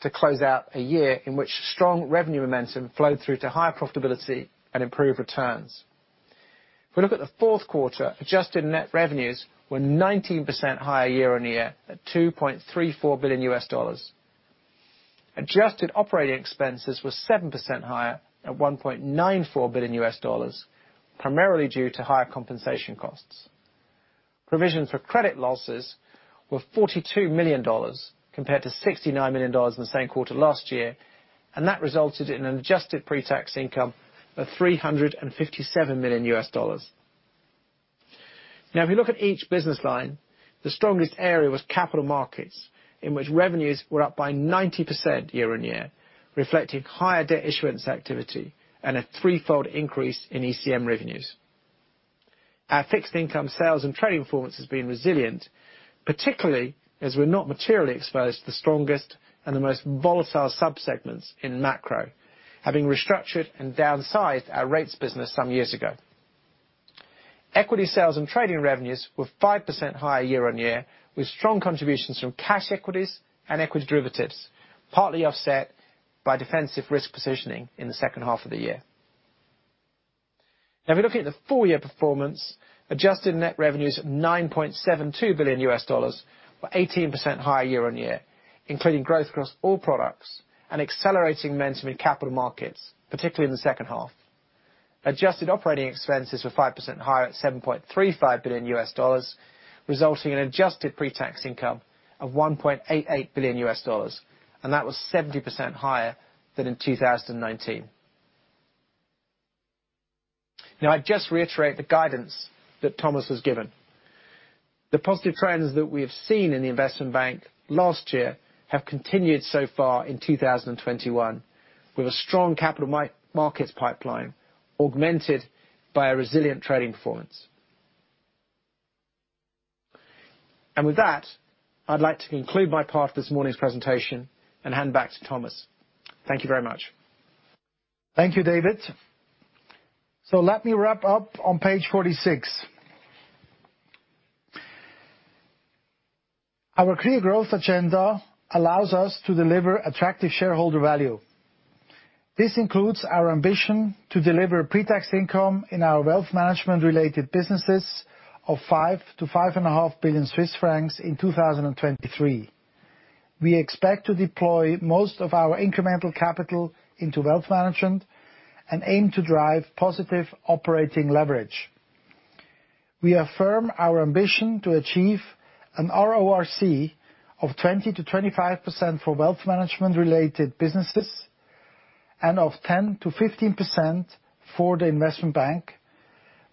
to close out a year in which strong revenue momentum flowed through to higher profitability and improved returns. If we look at the fourth quarter, adjusted net revenues were 19% higher year-on-year at $2.34 billion. Adjusted operating expenses were 7% higher at $1.94 billion, primarily due to higher compensation costs. Provision for credit losses were $42 million compared to $69 million in the same quarter last year. That resulted in an adjusted pre-tax income of $357 million. If you look at each business line, the strongest area was Capital Markets, in which revenues were up by 90% year-over-year, reflecting higher debt issuance activity and a threefold increase in ECM revenues. Our Fixed Income Sales and Trading performance has been resilient, particularly as we're not materially exposed to the strongest and the most volatile sub-segments in macro, having restructured and downsized our rates business some years ago. Equity Sales and Trading revenues were 5% higher year-over-year, with strong contributions from cash equities and equity derivatives, partly offset by defensive risk positioning in the second half of the year. If we look at the full year performance, adjusted net revenues of $9.72 billion, were 18% higher year-on-year, including growth across all products and accelerating momentum in capital markets, particularly in the second half. Adjusted operating expenses were 5% higher at $7.35 billion, resulting in adjusted pre-tax income of $1.88 billion. That was 70% higher than in 2019. I just reiterate the guidance that Thomas has given. The positive trends that we have seen in the Investment Bank last year have continued so far in 2021, with a strong capital markets pipeline augmented by a resilient trading performance. With that, I'd like to conclude my part for this morning's presentation and hand back to Thomas. Thank you very much. Thank you, David. Let me wrap up on page 46. Our clear growth agenda allows us to deliver attractive shareholder value. This includes our ambition to deliver pre-tax income in our Wealth Management related businesses of 5 billion-5.5 billion Swiss francs in 2023. We expect to deploy most of our incremental capital into Wealth Management and aim to drive positive operating leverage. We affirm our ambition to achieve an RoRC of 20%-25% for Wealth Management related businesses and of 10%-15% for the Investment Bank,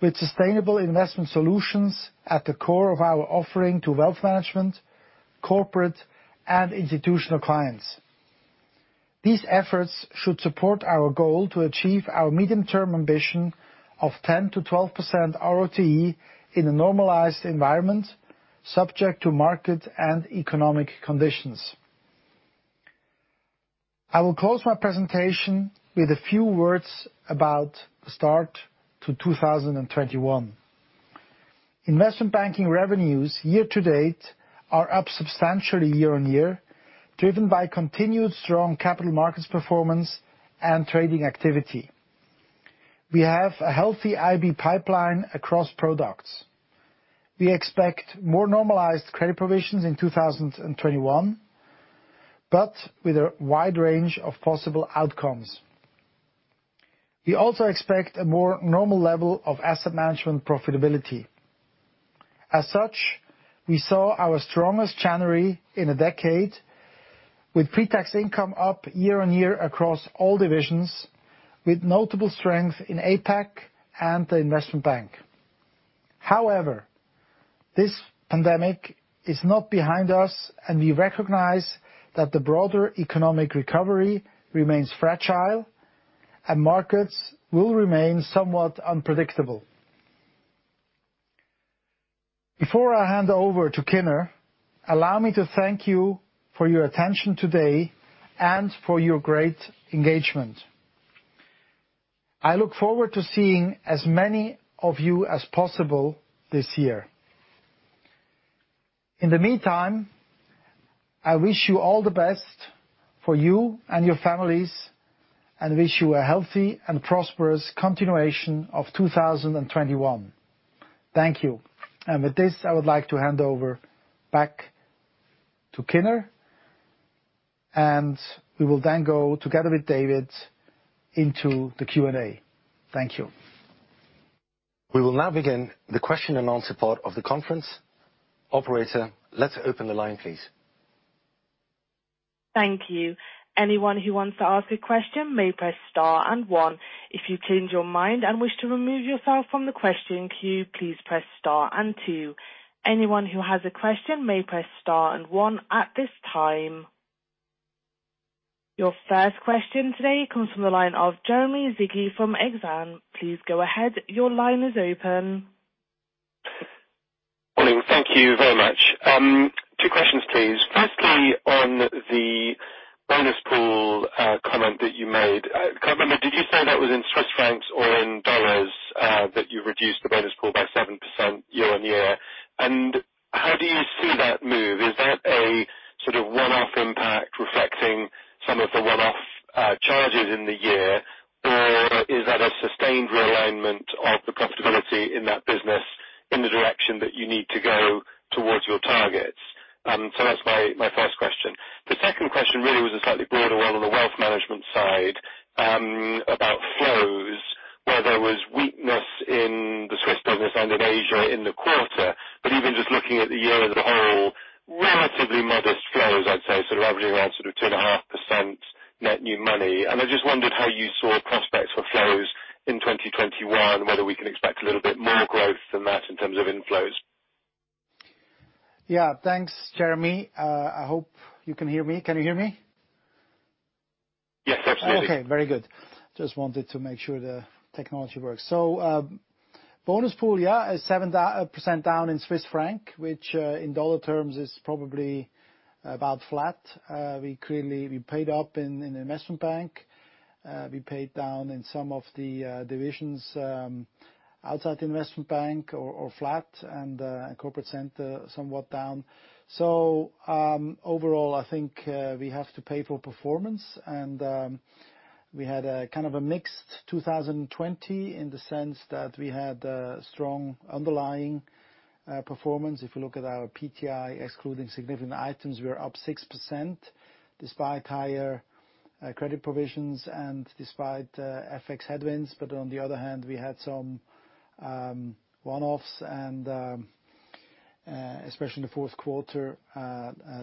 with sustainable investment solutions at the core of our offering to Wealth Management, corporate, and institutional clients. These efforts should support our goal to achieve our medium-term ambition of 10%-12% RoTE in a normalized environment, subject to market and economic conditions. I will close my presentation with a few words about the start to 2021. Investment banking revenues year-to-date are up substantially year-on-year, driven by continued strong capital markets performance and trading activity. We have a healthy IB pipeline across products. We expect more normalized credit provisions in 2021, but with a wide range of possible outcomes. We also expect a more normal level of Asset Management profitability. As such, we saw our strongest January in a decade with pre-tax income up year-on-year across all divisions, with notable strength in APAC and the Investment Bank. However, this pandemic is not behind us, and we recognize that the broader economic recovery remains fragile and markets will remain somewhat unpredictable. Before I hand over to Kinner, allow me to thank you for your attention today and for your great engagement. I look forward to seeing as many of you as possible this year. In the meantime, I wish you all the best for you and your families and wish you a healthy and prosperous continuation of 2021. Thank you. With this, I would like to hand over back to Kinner, and we will then go together with David into the Q&A. Thank you. We will now begin the question and answer part of the conference. Operator, let's open the line, please. Thank you. Anyone who wants to ask a question may press star and one. If you change your mind and wish to remove yourself from the question queue, please press star and two. Anyone who has a question may press star and one at this time. Your first question today comes from the line of Jeremy Sigee from Exane. Please go ahead. Your line is open. Morning. Thank you very much. Two questions, please. Firstly, on the bonus pool comment that you made. I can't remember, did you say that was in Swiss francs or in dollars, that you reduced the bonus pool by 7% year-on-year? How do you see that move? Is that a sort of one-off impact reflecting some of the one-off charges in the year, or is that a sustained realignment of the profitability in that business in the direction that you need to go towards your targets? That's my first question. The second question really was a slightly broader one on the Wealth Management side about flows, where there was weakness in the Swiss business and in Asia in the quarter. Even just looking at the year as a whole, relatively modest flows, I'd say. Averaging around 2.5% net new money. I just wondered how you saw prospects for flows in 2021, whether we can expect a little bit more growth than that in terms of inflows. Yeah, thanks, Jeremy. I hope you can hear me. Can you hear me? Yes, absolutely. Okay. Very good. Just wanted to make sure the technology works. Bonus pool, yeah, is 7% down in Swiss franc, which, in dollar terms, is probably about flat. We paid up in the Investment Bank. We paid down in some of the divisions outside the Investment Bank or flat and Corporate Center, somewhat down. Overall, I think we have to pay for performance, and we had a kind of a mixed 2020 in the sense that we had a strong underlying performance. If you look at our PTI excluding significant items, we are up 6% despite higher credit provisions and despite FX headwinds. On the other hand, we had some one-offs and, especially in the fourth quarter,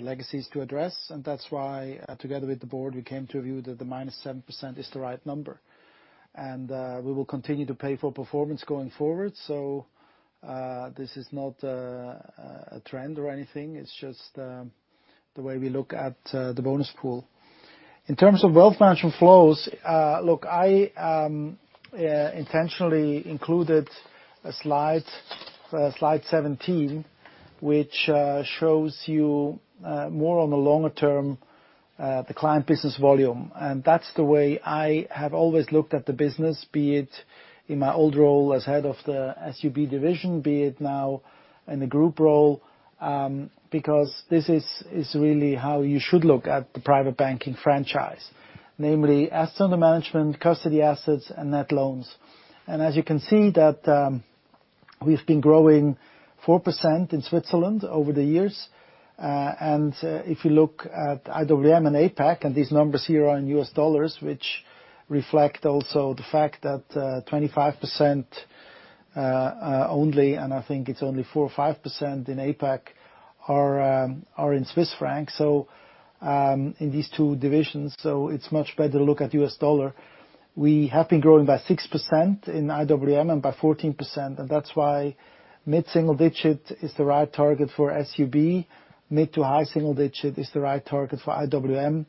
legacies to address. That's why, together with the board, we came to a view that the -7% is the right number. We will continue to pay for performance going forward. This is not a trend or anything. It's just the way we look at the bonus pool. In terms of Wealth Management flows, look, I intentionally included slide 17, which shows you more on the longer term, the client business volume. That's the way I have always looked at the business, be it in my old role as Head of the SUB division, be it now in the group role, because this is really how you should look at the private banking franchise. Namely, assets under management, custody assets, and net loans. As you can see, that we've been growing 4% in Switzerland over the years. If you look at IWM and APAC, these numbers here are in U.S. dollars, which reflect also the fact that 25% only, and I think it's only 4% or 5% in APAC are in Swiss franc. In these two divisions, it's much better to look at U.S. dollar. We have been growing by 6% in IWM and by 14%, that's why mid-single digit is the right target for SUB, mid to high single digit is the right target for IWM,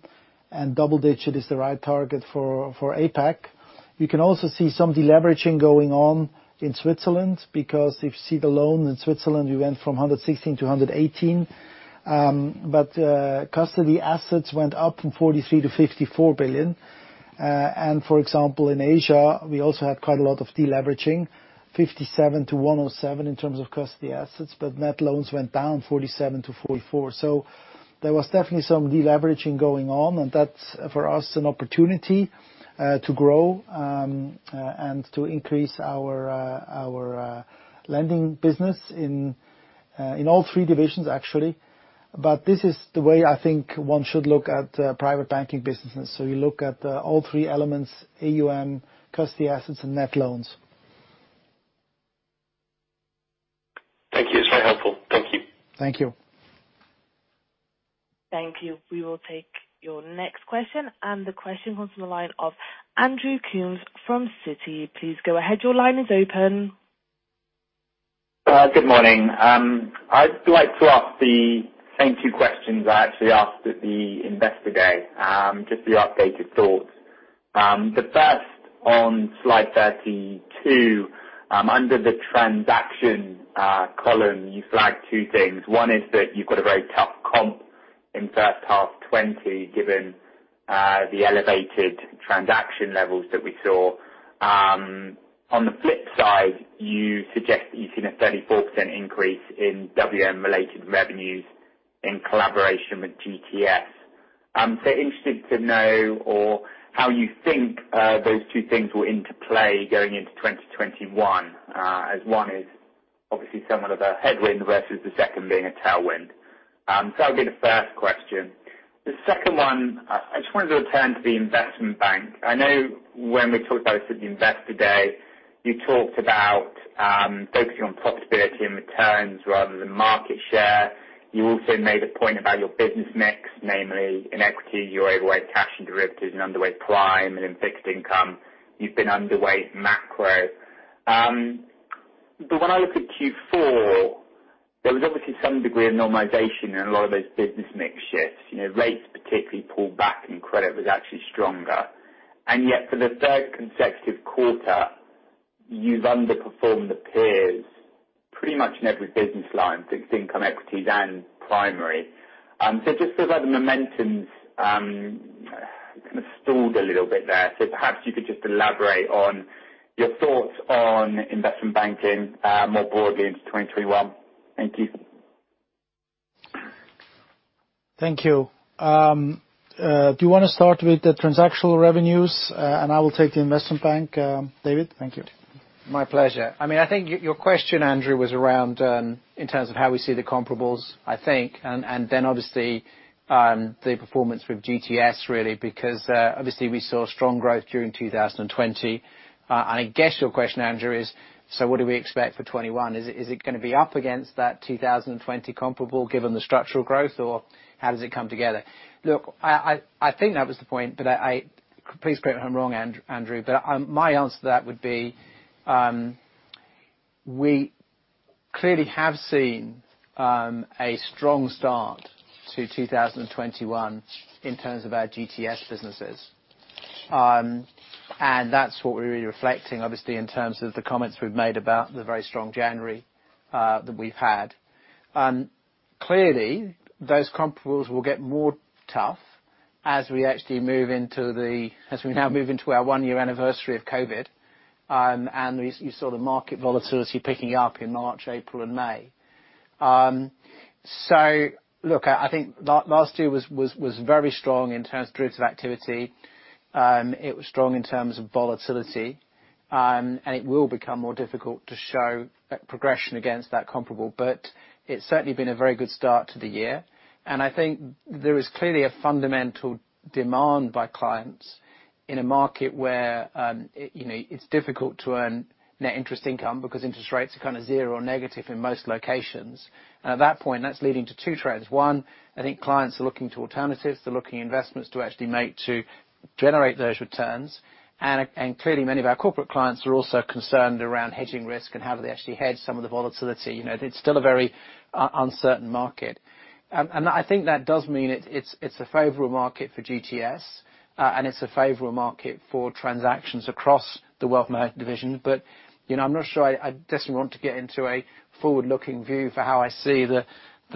and double digit is the right target for APAC. We can also see some deleveraging going on in Switzerland, because if you see the loan in Switzerland, we went from 116 billion to 118 billion. Custody assets went up from 43 billion to 54 billion. For example, in Asia, we also had quite a lot of deleveraging, 57 billion to 107 billion in terms of custody assets, but net loans went down 47 billion to 44 billion. There was definitely some deleveraging going on, and that's, for us, an opportunity to grow and to increase our lending business in all three divisions, actually. This is the way I think one should look at private banking businesses. You look at all three elements, AUM, custody assets, and net loans. Thank you. It's very helpful. Thank you. Thank you. Thank you. We will take your next question, and the question comes from the line of Andrew Coombs from Citi. Please go ahead. Your line is open. Good morning. I'd like to ask the same two questions I actually asked at the Investor Day, just for your updated thoughts. The first, on slide 32, under the transaction column, you flagged two things. One is that you've got a very tough comp in the first half 2020, given the elevated transaction levels that we saw. On the flip side, you suggest that you've seen a 34% increase in WM-related revenues in collaboration with GTS. Interested to know how you think those two things will interplay going into 2021, as one is obviously somewhat of a headwind versus the second being a tailwind. That would be the first question. The second one, I just wanted to return to the Investment Bank. I know when we talked about it at the Investor Day, you talked about focusing on profitability and returns rather than market share. You also made a point about your business mix, namely in equity, you overweight cash and derivatives and underweight prime, and in fixed income, you've been underweight macro. When I look at Q4, there was obviously some degree of normalization in a lot of those business mix shifts. Rates particularly pulled back and credit was actually stronger. Yet, for the third consecutive quarter, you've underperformed the peers pretty much in every business line, fixed income, equities, and primary. It just feels like the momentum's kind of stalled a little bit there. Perhaps you could just elaborate on your thoughts on investment banking more broadly into 2021. Thank you. Thank you. Do you want to start with the transactional revenues, and I will take the investment bank? David? Thank you. My pleasure. I think your question, Andrew, was around in terms of how we see the comparables, I think. Obviously, the performance with GTS, really, because obviously, we saw strong growth during 2020. I guess your question, Andrew, is, what do we expect for 2021? Is it going to be up against that 2020 comparable given the structural growth, or how does it come together? Look, I think that was the point, please correct me if I'm wrong, Andrew, my answer to that would be, we clearly have seen a strong start to 2021 in terms of our GTS businesses. That's what we're really reflecting, obviously, in terms of the comments we've made about the very strong January that we've had. Clearly, those comparables will get more tough as we now move into our one-year anniversary of COVID, and you saw the market volatility picking up in March, April, and May. Look, I think last year was very strong in terms of derivative activity. It was strong in terms of volatility. It will become more difficult to show progression against that comparable. It's certainly been a very good start to the year, I think there is clearly a fundamental demand by clients in a market where it's difficult to earn net interest income because interest rates are kind of zero or negative in most locations. At that point, that's leading to two trends. One, I think clients are looking to alternatives. They're looking at investments to actually make to generate those returns. Clearly many of our corporate clients are also concerned around hedging risk and how do they actually hedge some of the volatility. It's still a very uncertain market. I think that does mean it's a favorable market for GTS, and it's a favorable market for transactions across the Wealth Management division. I'm not sure I definitely want to get into a forward-looking view for how I see the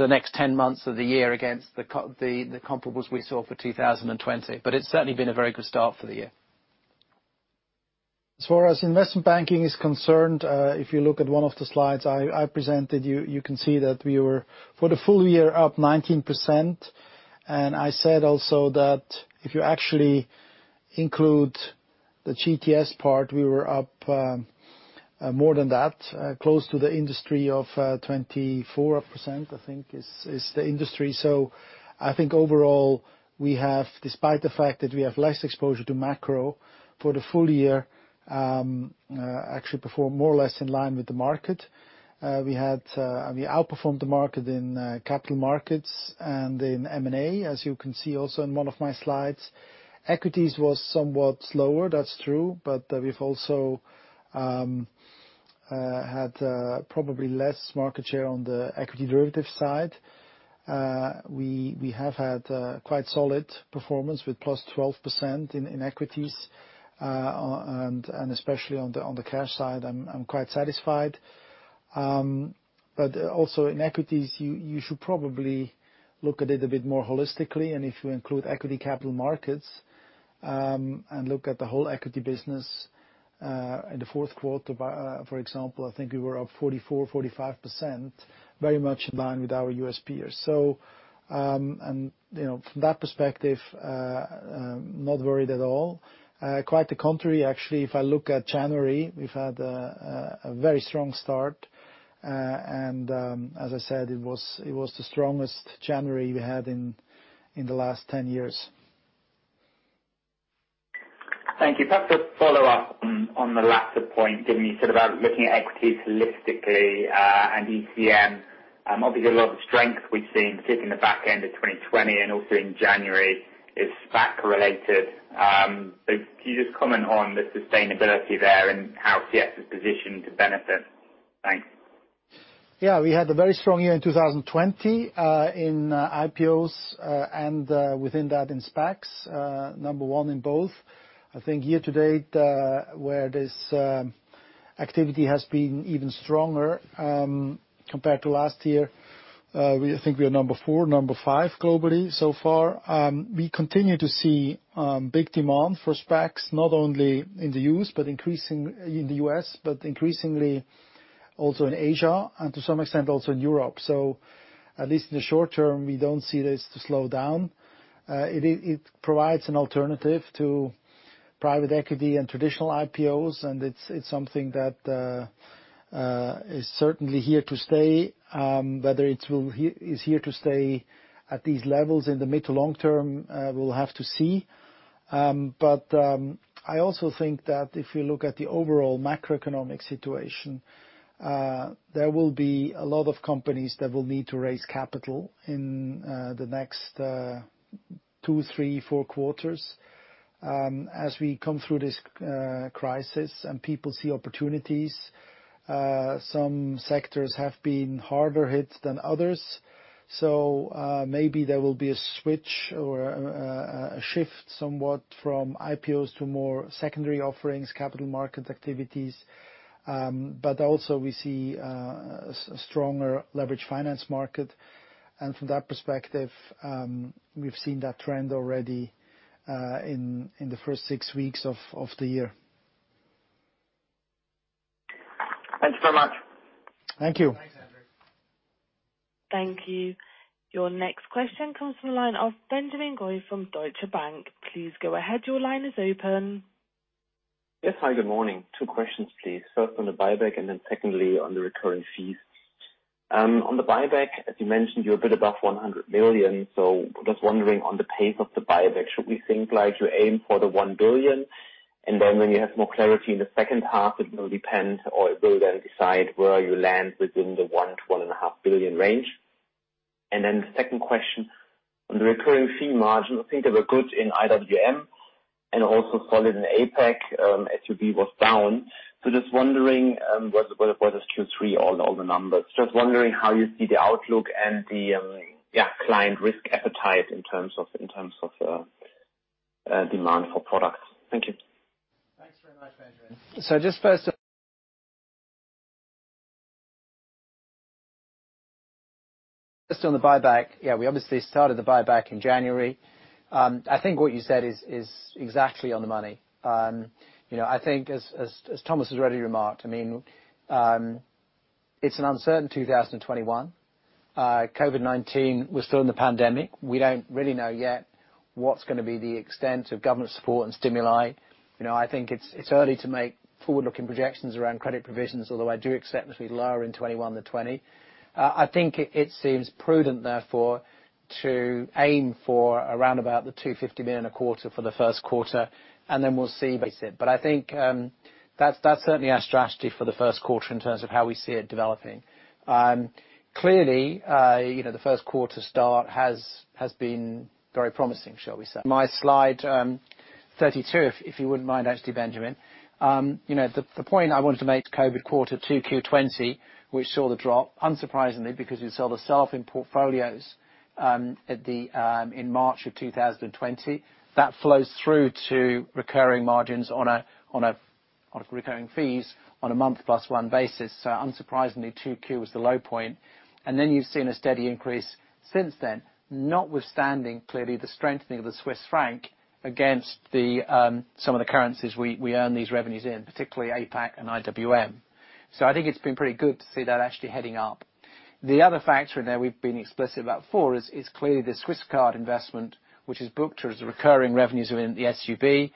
next 10 months of the year against the comparables we saw for 2020. It's certainly been a very good start for the year. As far as Investment Bank is concerned, if you look at one of the slides I presented, you can see that we were, for the full year, up 19%. I said also that if you actually include the GTS part, we were up more than that, close to the industry of 24%, I think is the industry. I think overall, we have, despite the fact that we have less exposure to macro for the full year, actually performed more or less in line with the market. We outperformed the market in capital markets and in M&A, as you can see also in one of my slides. Equities was somewhat slower, that's true, We've also had probably less market share on the equity derivative side. We have had a quite solid performance with +12% in equities, and especially on the cash side, I'm quite satisfied. Also in equities, you should probably look at it a bit more holistically, and if you include Equity Capital Markets, and look at the whole equity business, in the fourth quarter, for example, I think we were up 44%, 45%, very much in line with our U.S. peers. From that perspective, not worried at all. Quite the contrary, actually, if I look at January, we've had a very strong start. As I said, it was the strongest January we had in the last 10 years. Thank you. Perhaps a follow-up on the latter point, given you said about looking at equities holistically, and ECM. Obviously, a lot of the strength we've seen, particularly in the back end of 2020 and also in January, is SPAC related. Can you just comment on the sustainability there and how CS is positioned to benefit? Thanks. Yeah, we had a very strong year in 2020, in IPOs, and within that in SPACs. Number one in both. I think year to date, where this activity has been even stronger, compared to last year, I think we are number four, number five globally so far. We continue to see big demand for SPACs, not only in the U.S., but increasingly also in Asia, and to some extent also in Europe. At least in the short term, we don't see this to slow down. It provides an alternative to private equity and traditional IPOs, and it's something that is certainly here to stay. Whether it's here to stay at these levels in the mid to long term, we'll have to see. I also think that if you look at the overall macroeconomic situation, there will be a lot of companies that will need to raise capital in the next two, three, four quarters. As we come through this crisis and people see opportunities, some sectors have been harder hit than others. Maybe there will be a switch or a shift somewhat from IPOs to more secondary offerings, capital market activities. Also we see a stronger leveraged finance market. From that perspective, we've seen that trend already in the first six weeks of the year. Thanks very much. Thank you. Thanks, Andrew. Thank you. Your next question comes from the line of Benjamin Goy from Deutsche Bank. Please go ahead. Your line is open. Yes. Hi, good morning. Two questions, please. First on the buyback, secondly on the recurring fees. On the buyback, as you mentioned, you're a bit above 100 million. Just wondering on the pace of the buyback, should we think like you aim for the 1 billion? When you have more clarity in the second half, it will depend, or it will then decide where you land within the 1 billion-1.5 billion range. The second question on the recurring fee margin. I think they were good in IWM and also solid in APAC. SUB was down. Just wondering, well, for this Q3, all the numbers. Just wondering how you see the outlook and the client risk appetite in terms of demand for products. Thank you. Thanks very much, Benjamin. Just first on the buyback. Yeah, we obviously started the buyback in January. I think what you said is exactly on the money. I think as Thomas has already remarked, it's an uncertain 2021. COVID-19, we're still in the pandemic. We don't really know yet what's going to be the extent of government support and stimuli. I think it's early to make forward-looking projections around credit provisions, although I do accept it'll be lower in 2021 than 2020. I think it seems prudent, therefore, to aim for around about the 250 million a quarter for the first quarter, and then we'll see basic. I think that's certainly our strategy for the first quarter in terms of how we see it developing. Clearly, the first quarter start has been very promising, shall we say. My slide 32, if you wouldn't mind, actually, Benjamin. The point I wanted to make, COVID quarter 2Q 2020, which saw the drop, unsurprisingly, because you saw the sell-off in portfolios in March of 2020. That flows through to recurring margins on recurring fees on a month plus one basis. Unsurprisingly, 2Q was the low point. Then you've seen a steady increase since then, notwithstanding, clearly, the strengthening of the Swiss franc against some of the currencies we earn these revenues in, particularly APAC and IWM. I think it's been pretty good to see that actually heading up. The other factor in there we've been explicit about before is clearly the Swisscard investment, which is booked as recurring revenues within the SUB.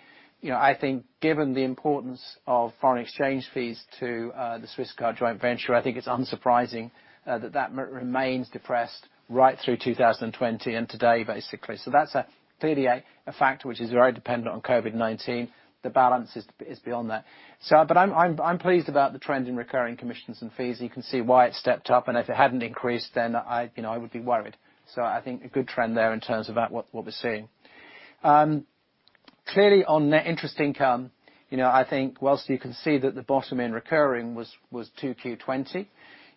I think given the importance of foreign exchange fees to the Swisscard joint venture, I think it's unsurprising that that remains depressed right through 2020 and today, basically. That's clearly a factor which is very dependent on COVID-19. The balance is beyond that. I'm pleased about the trend in recurring commissions and fees. You can see why it stepped up, and if it hadn't increased, then I would be worried. I think a good trend there in terms of what we're seeing. Clearly on net interest income, I think whilst you can see that the bottom in recurring was 2Q20.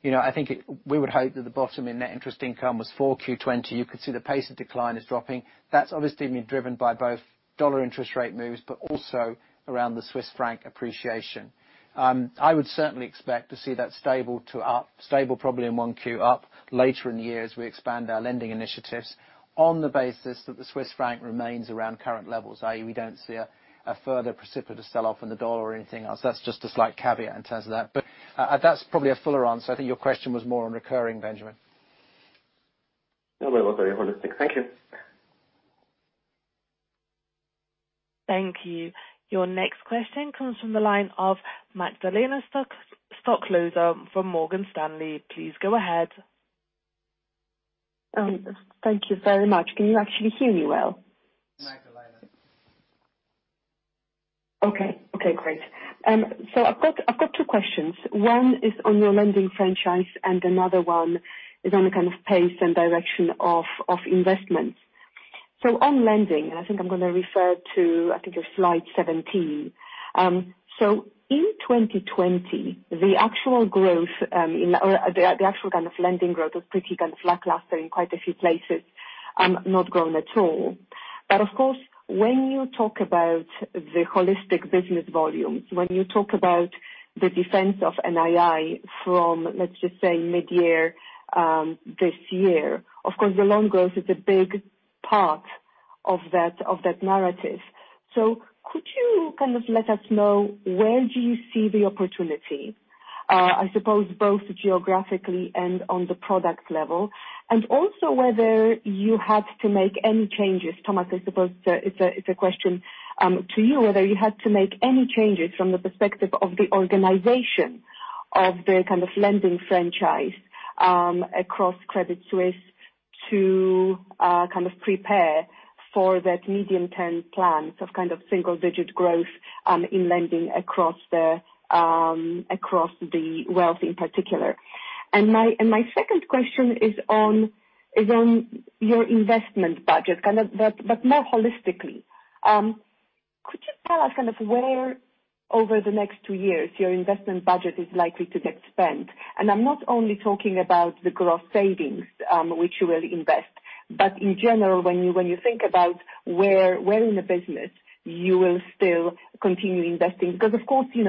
I think we would hope that the bottom in net interest income was 4Q20. You could see the pace of decline is dropping. That's obviously being driven by both dollar interest rate moves, but also around the Swiss franc appreciation. I would certainly expect to see that stable to up. Stable probably in 1Q, up later in the year as we expand our lending initiatives on the basis that the Swiss franc remains around current levels, i.e., we don't see a further precipitous sell-off in the dollar or anything else. That's just a slight caveat in terms of that. That's probably a fuller answer. I think your question was more on recurring, Benjamin. No, that was very holistic. Thank you. Thank you. Your next question comes from the line of Magdalena Stoklosa from Morgan Stanley. Please go ahead. Thank you very much. Can you actually hear me well? Okay, great. I've got two questions. One is on your lending franchise, and another one is on the kind of pace and direction of investments. On lending, and I think I'm going to refer to, I think it's slide 17. In 2020, the actual kind of lending growth was pretty kind of lackluster in quite a few places, not growing at all. Of course, when you talk about the holistic business volume, when you talk about the defense of NII from, let's just say mid-year this year, of course, the loan growth is a big part of that narrative. Could you kind of let us know where do you see the opportunity? I suppose both geographically and on the product level, and also whether you had to make any changes. Thomas, I suppose it's a question to you, whether you had to make any changes from the perspective of the organization of the kind of lending franchise across Credit Suisse to kind of prepare for that medium-term plan. Kind of single-digit growth in lending across the wealth in particular. My second question is on your investment budget, but more holistically. Could you tell us kind of where over the next two years your investment budget is likely to get spent? I'm not only talking about the gross savings, which you will invest, but in general, when you think about where in the business you will still continue investing. Of course, in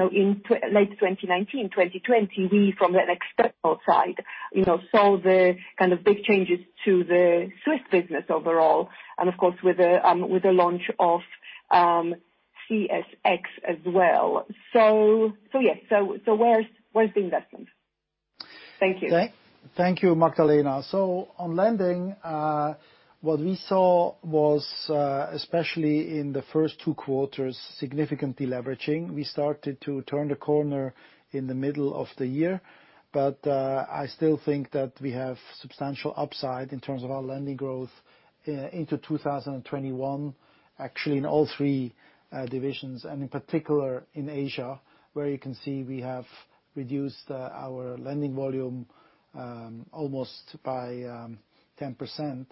late 2019, 2020, we from an external side, saw the kind of big changes to the Swiss business overall, and of course, with the launch of CSX as well. Yes. Where's the investment? Thank you. Thank you, Magdalena. On lending, what we saw was, especially in the first two quarters, significant deleveraging. We started to turn the corner in the middle of the year. I still think that we have substantial upside in terms of our lending growth into 2021, actually, in all three divisions, and in particular in Asia, where you can see we have reduced our lending volume almost by 10%.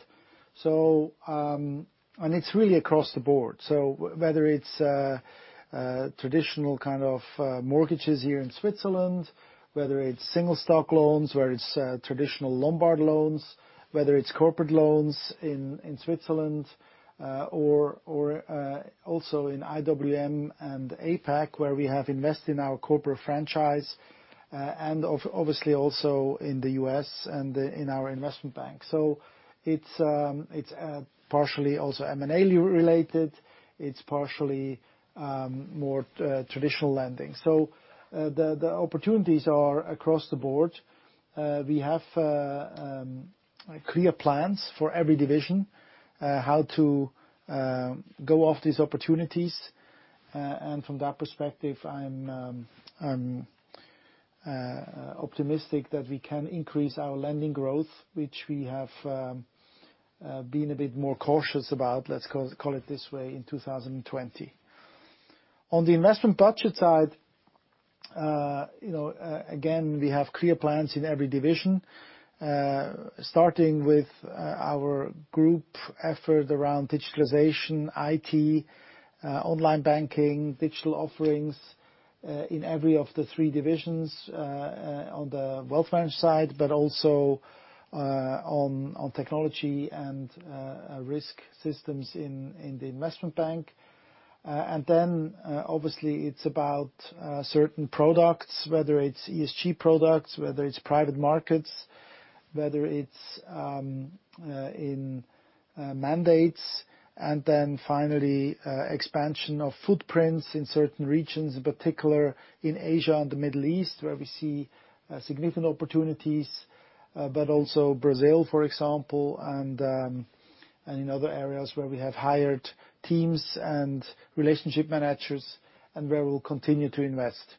It's really across the board. Whether it's traditional kind of mortgages here in Switzerland, whether it's single stock loans, whether it's traditional Lombard loans, whether it's corporate loans in Switzerland, or also in IWM and APAC, where we have invested in our corporate franchise, and obviously also in the U.S. and in our Investment Bank. It's partially also M&A-related. It's partially more traditional lending. The opportunities are across the board. We have clear plans for every division, how to go after these opportunities. From that perspective, I'm optimistic that we can increase our lending growth, which we have been a bit more cautious about, let's call it this way, in 2020. On the investment budget side, again, we have clear plans in every division, starting with our group effort around digitalization, IT, online banking, digital offerings in every of the three divisions on the Wealth Management side, but also on technology and risk systems in the Investment Bank. Obviously it's about certain products, whether it's ESG products, whether it's private markets, whether it's in mandates, and then finally, expansion of footprints in certain regions, in particular in Asia and the Middle East, where we see significant opportunities, but also Brazil, for example, and in other areas where we have hired teams and relationship managers and where we'll continue to invest.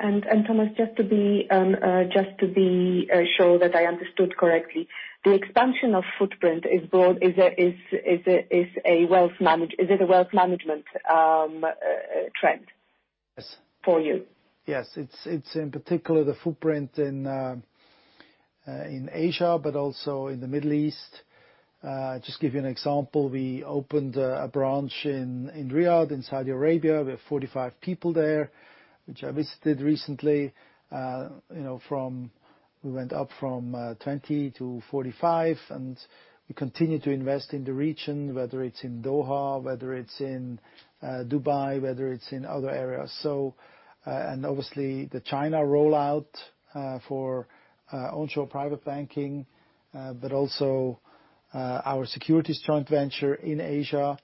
Thomas, just to be sure that I understood correctly, the expansion of footprint, is it a Wealth Management trend? Yes. For you? Yes. It's in particular the footprint in Asia, but also in the Middle East. Just give you an example, we opened a branch in Riyadh, in Saudi Arabia. We have 45 people there, which I visited recently. We went up from 20 to 45. We continue to invest in the region, whether it's in Doha, whether it's in Dubai, whether it's in other areas. Obviously the China rollout for onshore private banking, but also our securities joint venture in Asia,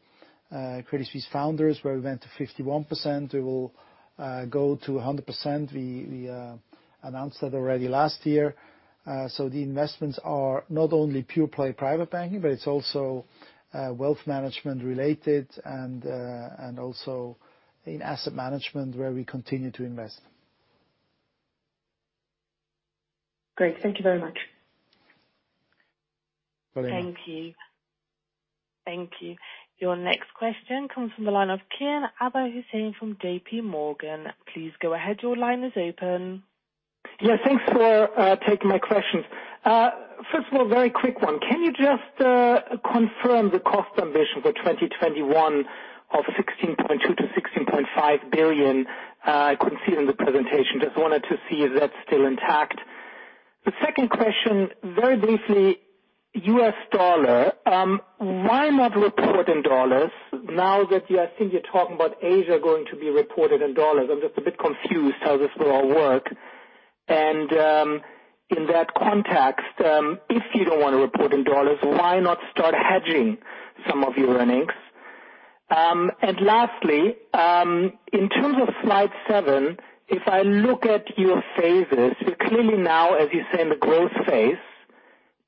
Credit Suisse Founder Securities, where we went to 51%, we will go to 100%. We announced that already last year. The investments are not only pure play private banking, but it's also Wealth Management-related and also in Asset Management where we continue to invest. Great. Thank you very much. Magdalena. Thank you. Your next question comes from the line of Kian Abouhossein from JPMorgan. Please go ahead. Your line is open. Yeah, thanks for taking my questions. First of all, very quick one. Can you just confirm the cost ambition for 2021 of 16.2 billion-16.5 billion? I couldn't see it in the presentation. Just wanted to see if that's still intact. The second question, very briefly, U.S. dollar. Why not report in dollars now that I think you're talking about Asia going to be reported in dollars? I'm just a bit confused how this will all work. In that context, if you don't want to report in dollars, why not start hedging some of your earnings? Lastly, in terms of slide seven, if I look at your phases, you're clearly now, as you say, in the growth phase,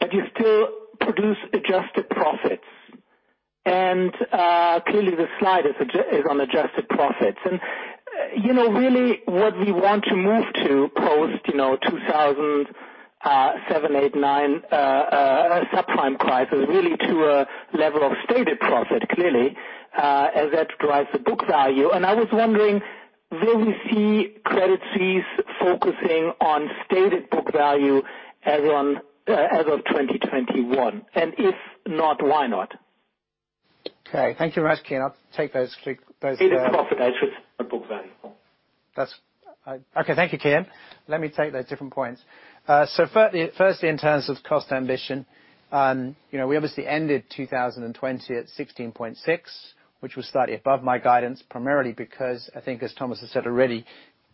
but you still produce adjusted profits. Clearly this slide is on adjusted profits. Really what we want to move to post 2007, 2008, 2009 subprime crisis, really to a level of stated profit, clearly, as that drives the book value. I was wondering, will we see Credit Suisse focusing on stated book value as of 2021? If not, why not? Okay. Thank you very much, Kian. I'll take those. Stated profit versus book value. Okay. Thank you, Kian. Let me take those different points. Firstly, in terms of cost ambition, we obviously ended 2020 at 16.6, which was slightly above my guidance, primarily because I think as Thomas has said already.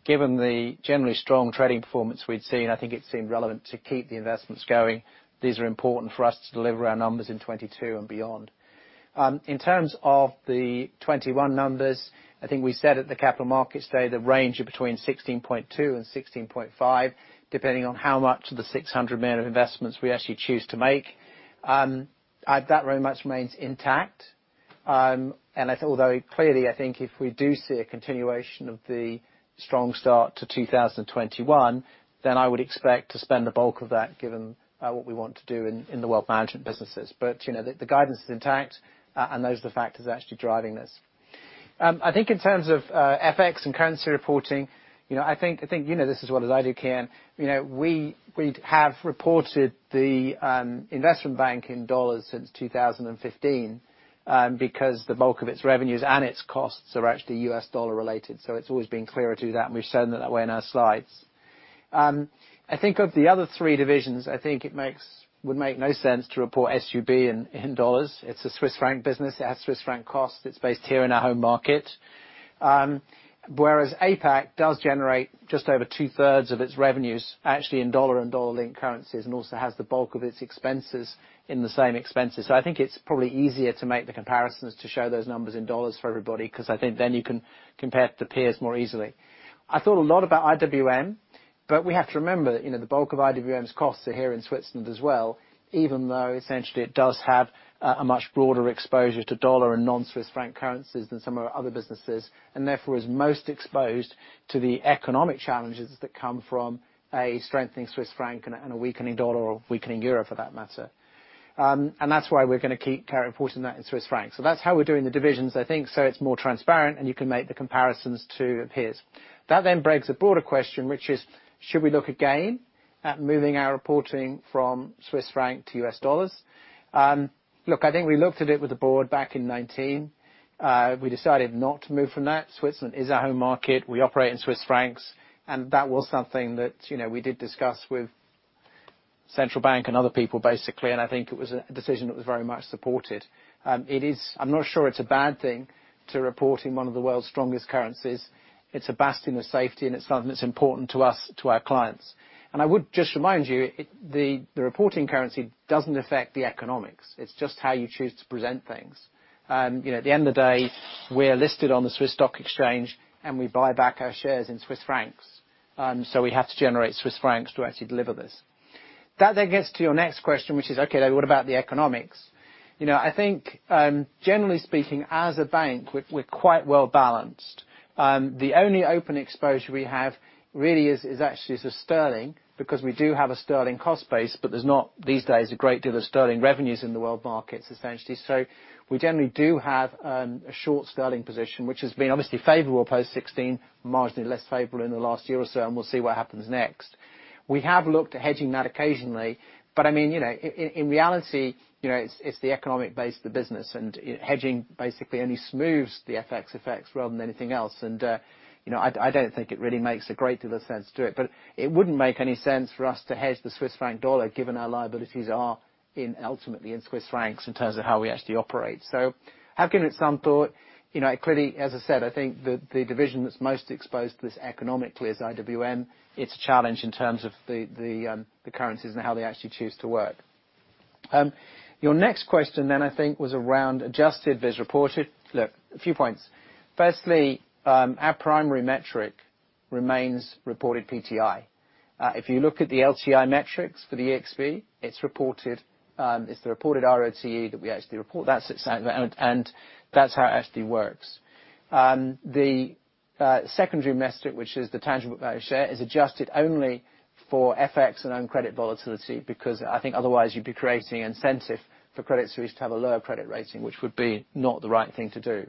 Given the generally strong trading performance we'd seen, I think it seemed relevant to keep the investments going. These are important for us to deliver our numbers in 2022 and beyond. In terms of the 2021 numbers, I think we said at the Capital Markets Day the range of between 16.2 billion-16.5 billion, depending on how much of the 600 million of investments we actually choose to make. That very much remains intact. Clearly, I think if we do see a continuation of the strong start to 2021, then I would expect to spend the bulk of that, given what we want to do in the Wealth Management businesses. The guidance is intact, and those are the factors that are actually driving this. I think in terms of FX and currency reporting, I think you know this as well as I do, Kian. We have reported the Investment Bank in dollars since 2015, because the bulk of its revenues and its costs are actually U.S. dollar related. It's always been clearer to do that, and we've shown it that way in our slides. I think of the other three divisions, it would make no sense to report SUB in dollars. It's a Swiss franc business. It has Swiss franc costs. It's based here in our home market. Whereas APAC does generate just over two-thirds of its revenues actually in dollar and dollar-linked currencies, and also has the bulk of its expenses in the same expenses. I think it's probably easier to make the comparisons to show those numbers in dollars for everybody, because I think you can compare to peers more easily. I thought a lot about IWM, but we have to remember that the bulk of IWM's costs are here in Switzerland as well, even though essentially it does have a much broader exposure to dollar and non-Swiss franc currencies than some of our other businesses, and therefore is most exposed to the economic challenges that come from a strengthening Swiss franc and a weakening dollar, or weakening euro for that matter. That's why we're going to keep reporting that in Swiss francs. That's how we're doing the divisions, I think, so it's more transparent and you can make the comparisons to peers. That begs a broader question, which is, should we look again at moving our reporting from Swiss franc to U.S. dollars? Look, I think we looked at it with the board back in 2019. We decided not to move from that. Switzerland is our home market. We operate in Swiss francs. That was something that we did discuss with Central Bank and other people, basically, and I think it was a decision that was very much supported. I'm not sure it's a bad thing to report in one of the world's strongest currencies. It's a bastion of safety, and it's something that's important to us, to our clients. I would just remind you, the reporting currency doesn't affect the economics. It's just how you choose to present things. At the end of the day, we're listed on the Swiss Stock Exchange, and we buy back our shares in Swiss francs. We have to generate Swiss francs to actually deliver this. That gets to your next question, which is, okay, what about the economics? I think, generally speaking, as a bank, we're quite well-balanced. The only open exposure we have really is actually is a sterling, because we do have a sterling cost base, but there's not these days a great deal of sterling revenues in the world markets, essentially. We generally do have a short sterling position, which has been obviously favorable post 2016, marginally less favorable in the last year or so, and we'll see what happens next. We have looked at hedging that occasionally, but I mean, in reality, it's the economic base of the business and hedging basically only smooths the FX effects rather than anything else. I don't think it really makes a great deal of sense to it. It wouldn't make any sense for us to hedge the Swiss franc/dollar given our liabilities are ultimately in Swiss francs in terms of how we actually operate. Have given it some thought. As I said, I think the division that's most exposed to this economically is IWM. It's a challenge in terms of the currencies and how they actually choose to work. Your next question then I think was around adjusted vs reported. Look, a few points. Our primary metric remains reported PTI. If you look at the LTI metrics for the ExB, it's the reported RoRC that we actually report. That's how it actually works. The secondary metric, which is the tangible value share, is adjusted only for FX and own credit volatility, because I think otherwise you'd be creating incentive for Credit Suisse to have a lower credit rating, which would be not the right thing to do.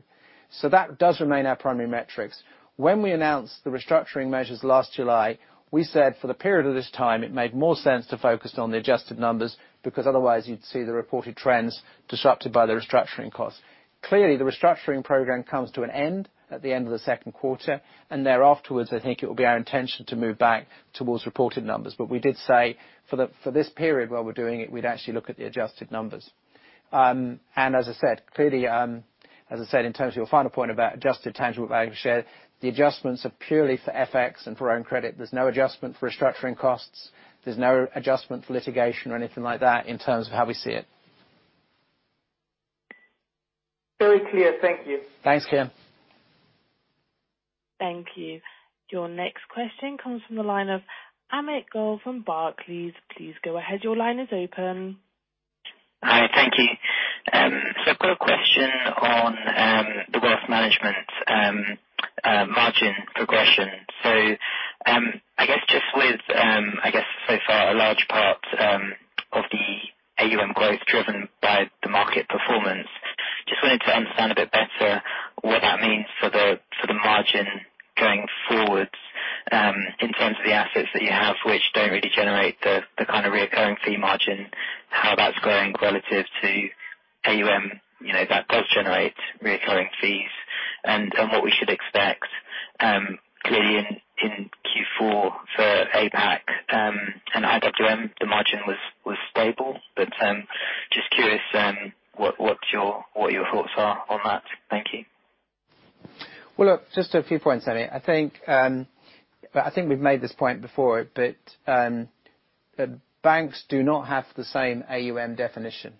That does remain our primary metrics. When we announced the restructuring measures last July, we said for the period of this time, it made more sense to focus on the adjusted numbers, because otherwise you'd see the reported trends disrupted by the restructuring costs. Clearly, the restructuring program comes to an end at the end of the second quarter. Afterwards, I think it will be our intention to move back towards reported numbers. We did say for this period while we're doing it, we'd actually look at the adjusted numbers. As I said, in terms of your final point about adjusted tangible value share, the adjustments are purely for FX and for own credit. There's no adjustment for restructuring costs. There's no adjustment for litigation or anything like that in terms of how we see it. Very clear. Thank you. Thanks, Kian. Thank you. Your next question comes from the line of Amit Goel from Barclays. Please go ahead. Your line is open. Hi. Thank you. I've got a question on the Wealth Management margin progression. I guess just with so far a large part of the AUM growth driven by the market performance, just wanted to understand a bit better what that means for the margin going forwards, in terms of the assets that you have which don't really generate the kind of reoccurring fee margin, how that's going relative to AUM that does generate reoccurring fees, and what we should expect. Clearly in Q4 for APAC. [How about] the margin was stable. Just curious what your thoughts are on that. Thank you. Well, look, just a few points, Amit. I think we've made this point before, banks do not have the same AUM definition.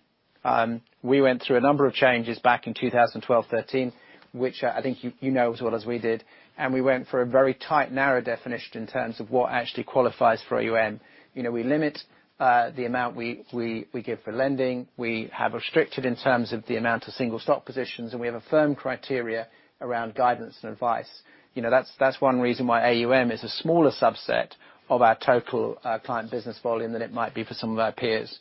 We went through a number of changes back in 2012, 2013, which I think you know as well as we did, we went for a very tight, narrow definition in terms of what actually qualifies for AUM. We limit the amount we give for lending. We have restricted in terms of the amount of single stock positions, we have a firm criteria around guidance and advice. That's one reason why AUM is a smaller subset of our total client business volume than it might be for some of our peers.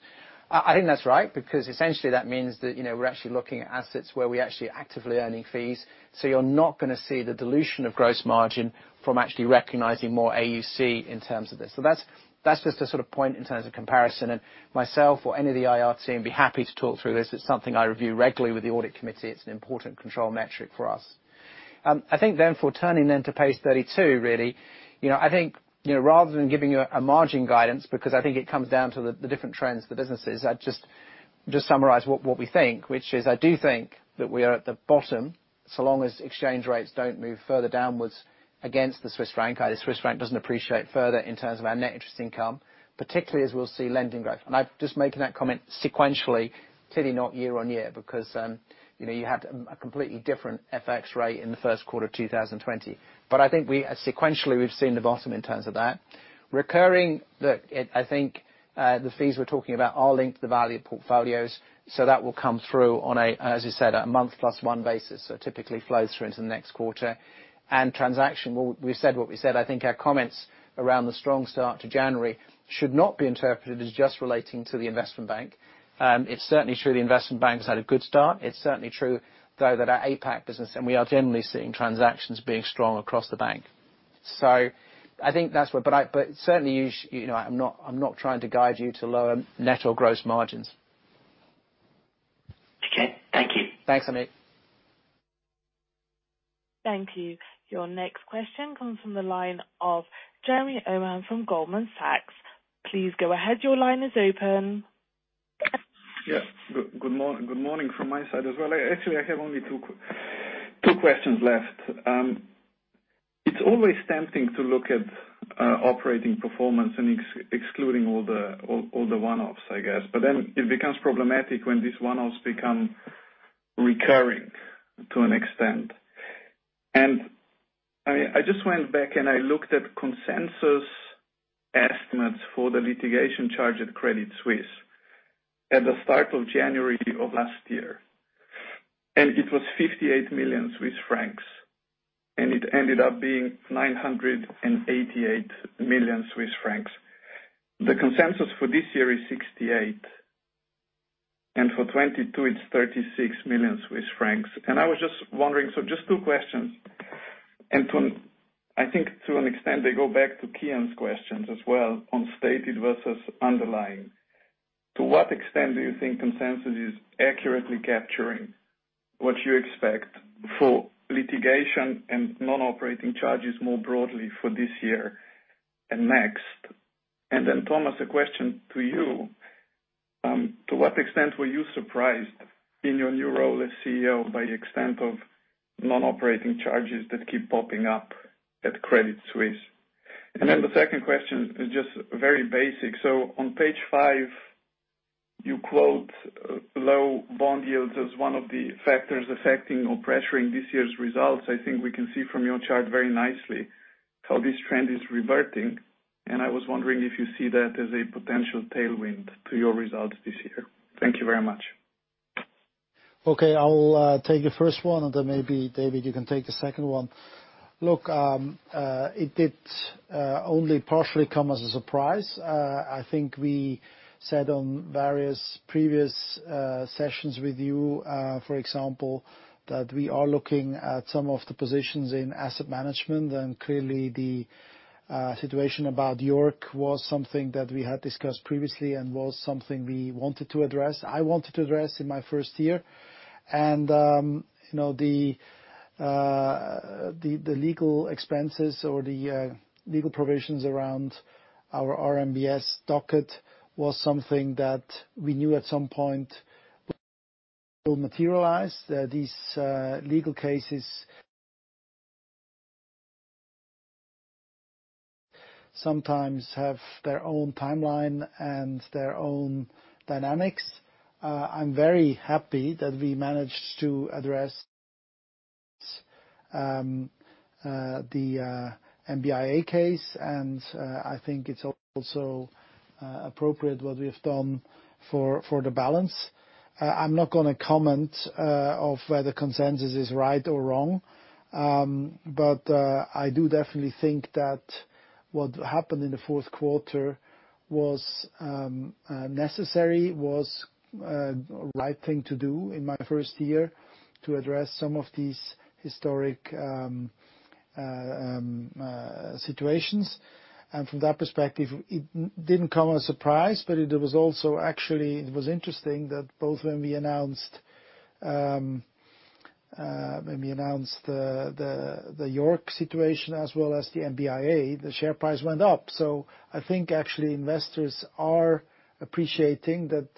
I think that's right, essentially that means that we're actually looking at assets where we actually are actively earning fees. You're not going to see the dilution of gross margin from actually recognizing more AUC in terms of this. That's just a sort of point in terms of comparison, and myself or any of the IR team would be happy to talk through this. It's something I review regularly with the audit committee. It's an important control metric for us. I think therefore turning then to page 32, really, I think rather than giving you a margin guidance, because I think it comes down to the different trends the businesses are just summarize what we think. Which is, I do think that we are at the bottom, so long as exchange rates don't move further downwards against the Swiss franc or the Swiss franc doesn't appreciate further in terms of our net interest income, particularly as we'll see lending growth. I'm just making that comment sequentially, clearly not year on year, because you had a completely different FX rate in the first quarter of 2020. I think sequentially, we've seen the bottom in terms of that. Recurring, look, I think the fees we're talking about are linked to the value of portfolios. That will come through on a, as you said, a month plus one basis, so typically flows through into the next quarter. Transaction, well, we said what we said. I think our comments around the strong start to January should not be interpreted as just relating to the Investment Bank. It's certainly true the Investment Bank's had a good start. It's certainly true, though, that our APAC business, and we are generally seeing transactions being strong across the bank. I think certainly, I'm not trying to guide you to lower net or gross margins. Okay. Thank you. Thanks, Amit. Thank you. Your next question comes from the line of Jernej Omahen from Goldman Sachs. Please go ahead, your line is open. Good morning from my side as well. Actually, I have only two questions left. It is always tempting to look at operating performance and excluding all the one-offs, I guess. It becomes problematic when these one-offs become recurring to an extent. I just went back and I looked at consensus estimates for the litigation charge at Credit Suisse at the start of January of last year, and it was 58 million Swiss francs, and it ended up being 988 million Swiss francs. The consensus for this year is 68 million, and for 2022, it is 36 million Swiss francs. I was just wondering, so just two questions. I think to an extent they go back to Kian's questions as well on stated versus underlying. To what extent do you think consensus is accurately capturing what you expect for litigation and non-operating charges more broadly for this year and next? Thomas, a question to you. To what extent were you surprised in your new role as CEO by the extent of non-operating charges that keep popping up at Credit Suisse? The second question is just very basic. On page five, you quote low bond yields as one of the factors affecting or pressuring this year's results. I think we can see from your chart very nicely how this trend is reverting, and I was wondering if you see that as a potential tailwind to your results this year. Thank you very much. Okay. I'll take the first one. Maybe David, you can take the second one. It did only partially come as a surprise. I think we said on various previous sessions with you, for example, that we are looking at some of the positions in Asset Management. Clearly the situation about York was something that we had discussed previously and was something we wanted to address, I wanted to address in my first year. The legal expenses or the legal provisions around our RMBS docket was something that we knew at some point will materialize. These legal cases sometimes have their own timeline and their own dynamics. I'm very happy that we managed to address the MBIA case. I think it's also appropriate what we have done for the balance. I'm not going to comment on whether consensus is right or wrong. I do definitely think that what happened in the fourth quarter was necessary, was a right thing to do in my first year to address some of these historic situations. From that perspective, it didn't come as a surprise, but it was interesting that both when we announced the York situation as well as the MBIA, the share price went up. I think actually investors are appreciating that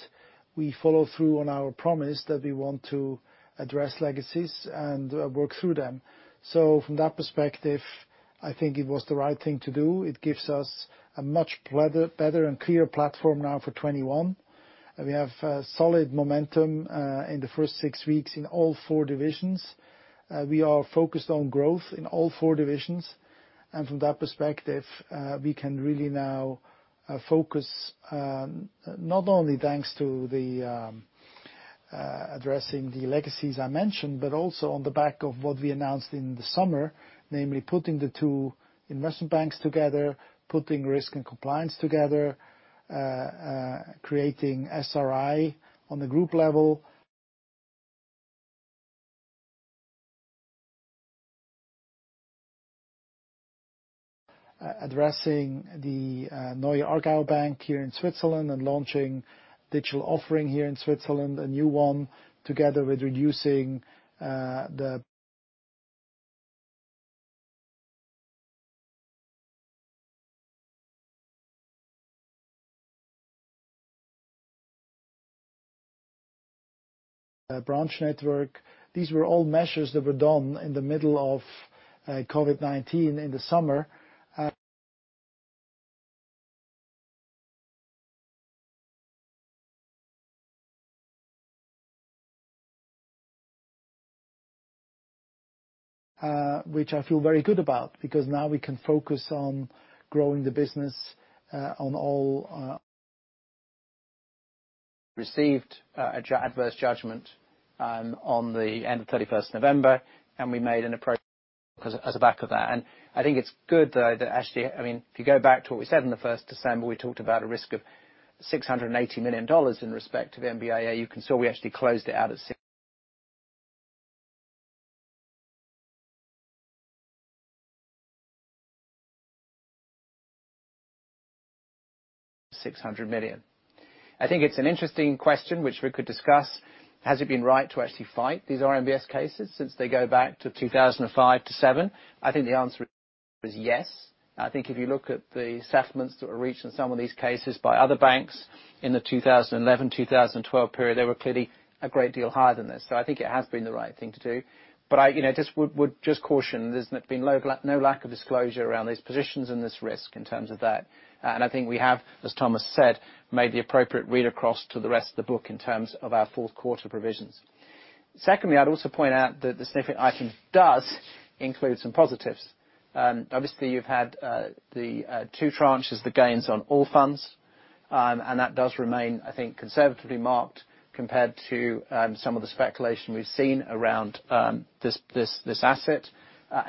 we follow through on our promise that we want to address legacies and work through them. From that perspective, I think it was the right thing to do. It gives us a much better and clearer platform now for 2021. We have solid momentum in the first six weeks in all four divisions. We are focused on growth in all four divisions. From that perspective, we can really now focus, not only thanks to the addressing the legacies I mentioned, but also on the back of what we announced in the summer, namely putting the two investment banks together, putting risk and compliance together, creating SRI on the group level, addressing the Neue Aargauer Bank here in Switzerland and launching digital offering here in Switzerland, a new one, together with reducing the branch- network. These were all measures that were done in the middle of COVID-19 in the summer. Which I feel very good about, because now we can focus on growing the business. Received adverse judgment on the end of 31st November. We made an approach as a back of that. I think it's good, though, that actually, if you go back to what we said on the 1st December, we talked about a risk of CHF 680 million in respect of MBIA. You can saw we actually closed it out at 600 million. I think it's an interesting question, which we could discuss. Has it been right to actually fight these RMBS cases since they go back to 2005-2007? I think the answer is yes. I think if you look at the settlements that were reached in some of these cases by other banks in the 2011, 2012 period, they were clearly a great deal higher than this. I think it has been the right thing to do. I would just caution, there's been no lack of disclosure around these positions and this risk in terms of that. I think we have, as Thomas said, made the appropriate read across to the rest of the book in terms of our fourth quarter provisions. Secondly, I'd also point out that the significant item does include some positives. Obviously, you've had the two tranches, the gains on Allfunds. That does remain, I think, conservatively marked compared to some of the speculation we've seen around this asset.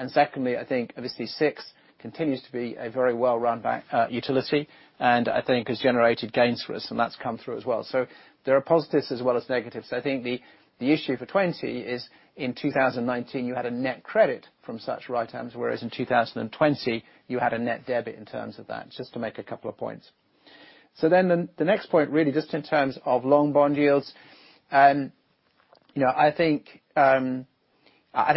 Secondly, I think obviously SIX continues to be a very well-run utility, and I think has generated gains for us, and that's come through as well. There are positives as well as negatives. I think the issue for 2020 is in 2019, you had a net credit from such write-downs, whereas in 2020, you had a net debit in terms of that, just to make a couple of points. The next point, really, just in terms of long bond yields. I think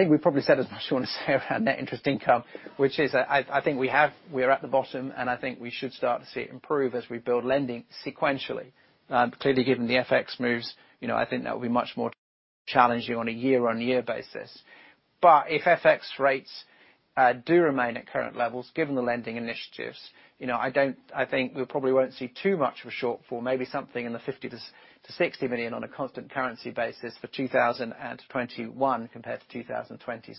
we've probably said as much as we want to say about net interest income, which is I think we are at the bottom, and I think we should start to see it improve as we build lending sequentially. Clearly, given the FX moves, I think that will be much more challenging on a year-on-year basis. If FX rates do remain at current levels, given the lending initiatives, I think we probably won't see too much of a shortfall, maybe something in the 50 million-60 million on a constant currency basis for 2021 compared to 2020.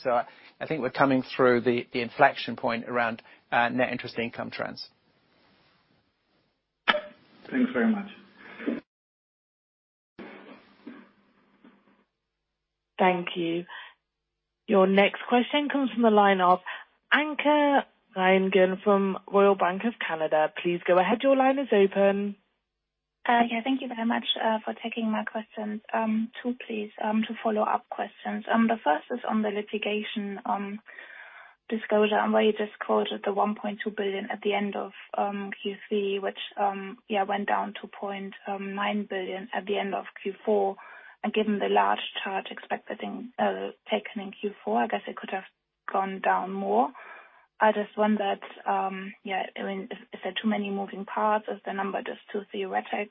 I think we're coming through the inflection point around net interest income trends. Thanks very much. Thank you. Your next question comes from the line of Anke Reingen from Royal Bank of Canada. Please go ahead. Your line is open. Thank you very much for taking my questions. Two please, two follow-up questions. The first is on the litigation disclosure, where you just quoted the 1.2 billion at the end of Q3, which went down to 0.9 billion at the end of Q4. Given the large charge expected taken in Q4, I guess it could have gone down more. I just wonder if there are too many moving parts, is the number just too theoretic?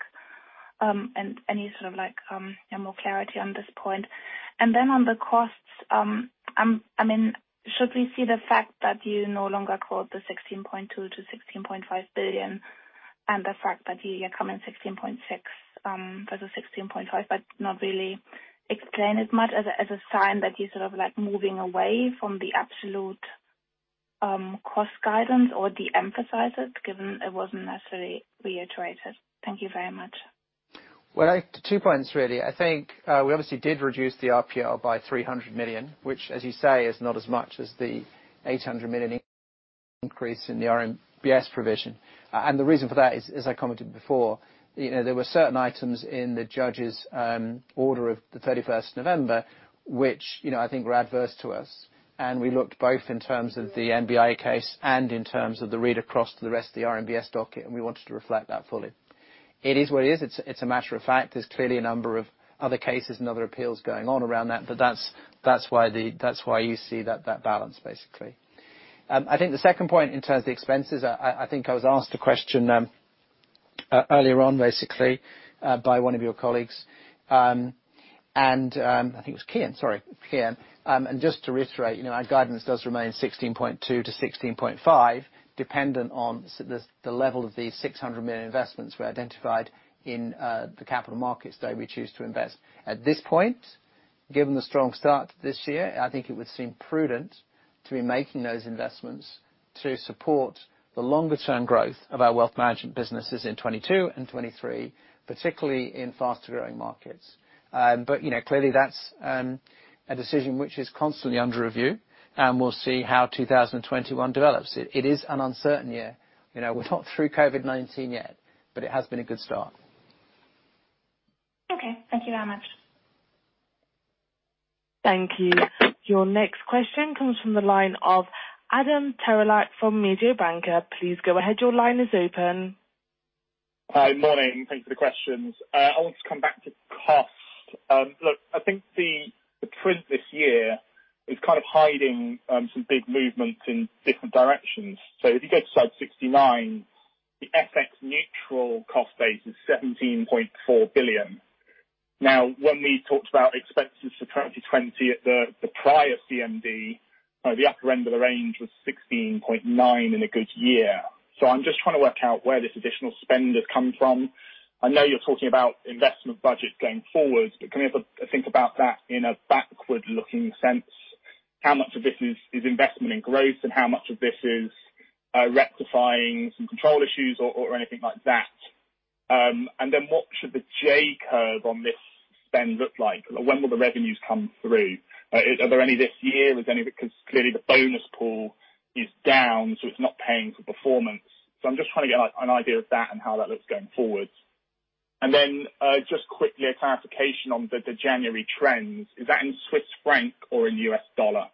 Any sort of more clarity on this point. On the costs, should we see the fact that you no longer quote the 16.2 billion-16.5 billion and the fact that you come in 16.6 billion versus 16.5 billion, but not really explain as much as a sign that you're sort of moving away from the absolute cost guidance or de-emphasize it, given it wasn't necessarily reiterated. Thank you very much. Well, two points really. I think we obviously did reduce the RPL by 300 million, which, as you say, is not as much as the 800 million increase in the RMBS provision. The reason for that is, as I commented before, there were certain items in the judge's order of the 31st November, which I think were adverse to us. We looked both in terms of the MBIA case and in terms of the read across to the rest of the RMBS docket, and we wanted to reflect that fully. It is what it is. It's a matter of fact. There's clearly a number of other cases and other appeals going on around that. That's why you see that balance, basically. I think the second point in terms of the expenses, I think I was asked a question earlier on, basically, by one of your colleagues. I think it was Kian. Sorry, Kian. Just to reiterate, our guidance does remain 16.2 billion-16.5 billion, dependent on the level of the 600 million investments we identified in the capital markets that we choose to invest. At this point, given the strong start to this year, I think it would seem prudent to be making those investments to support the longer term growth of our Wealth Management businesses in 2022 and 2023, particularly in faster-growing markets. Clearly, that's a decision which is constantly under review, and we'll see how 2021 develops. It is an uncertain year. We're not through COVID-19 yet. It has been a good start. Okay. Thank you very much. Thank you. Your next question comes from the line of Adam Terelak from Mediobanca. Please go ahead. Your line is open. Hi. Morning. Thanks for the questions. I want to come back to cost. Look, I think the print this year is kind of hiding some big movements in different directions. If you go to slide 69, the FX neutral cost base is 17.4 billion. Now, when we talked about expenses for 2020 at the prior CMD, the upper end of the range was 16.9 billion in a good year. I'm just trying to work out where this additional spend has come from. I know you're talking about investment budget going forward, but can we have a think about that in a backward-looking sense? How much of this is investment in growth, and how much of this is rectifying some control issues or anything like that? What should the J-curve on this spend look like? When will the revenues come through? Are there any this year? Clearly the bonus pool is down, so it's not paying for performance. I'm just trying to get an idea of that and how that looks going forward. Then, just quickly, a clarification on the January trends. Is that in Swiss franc or in U.S. dollar?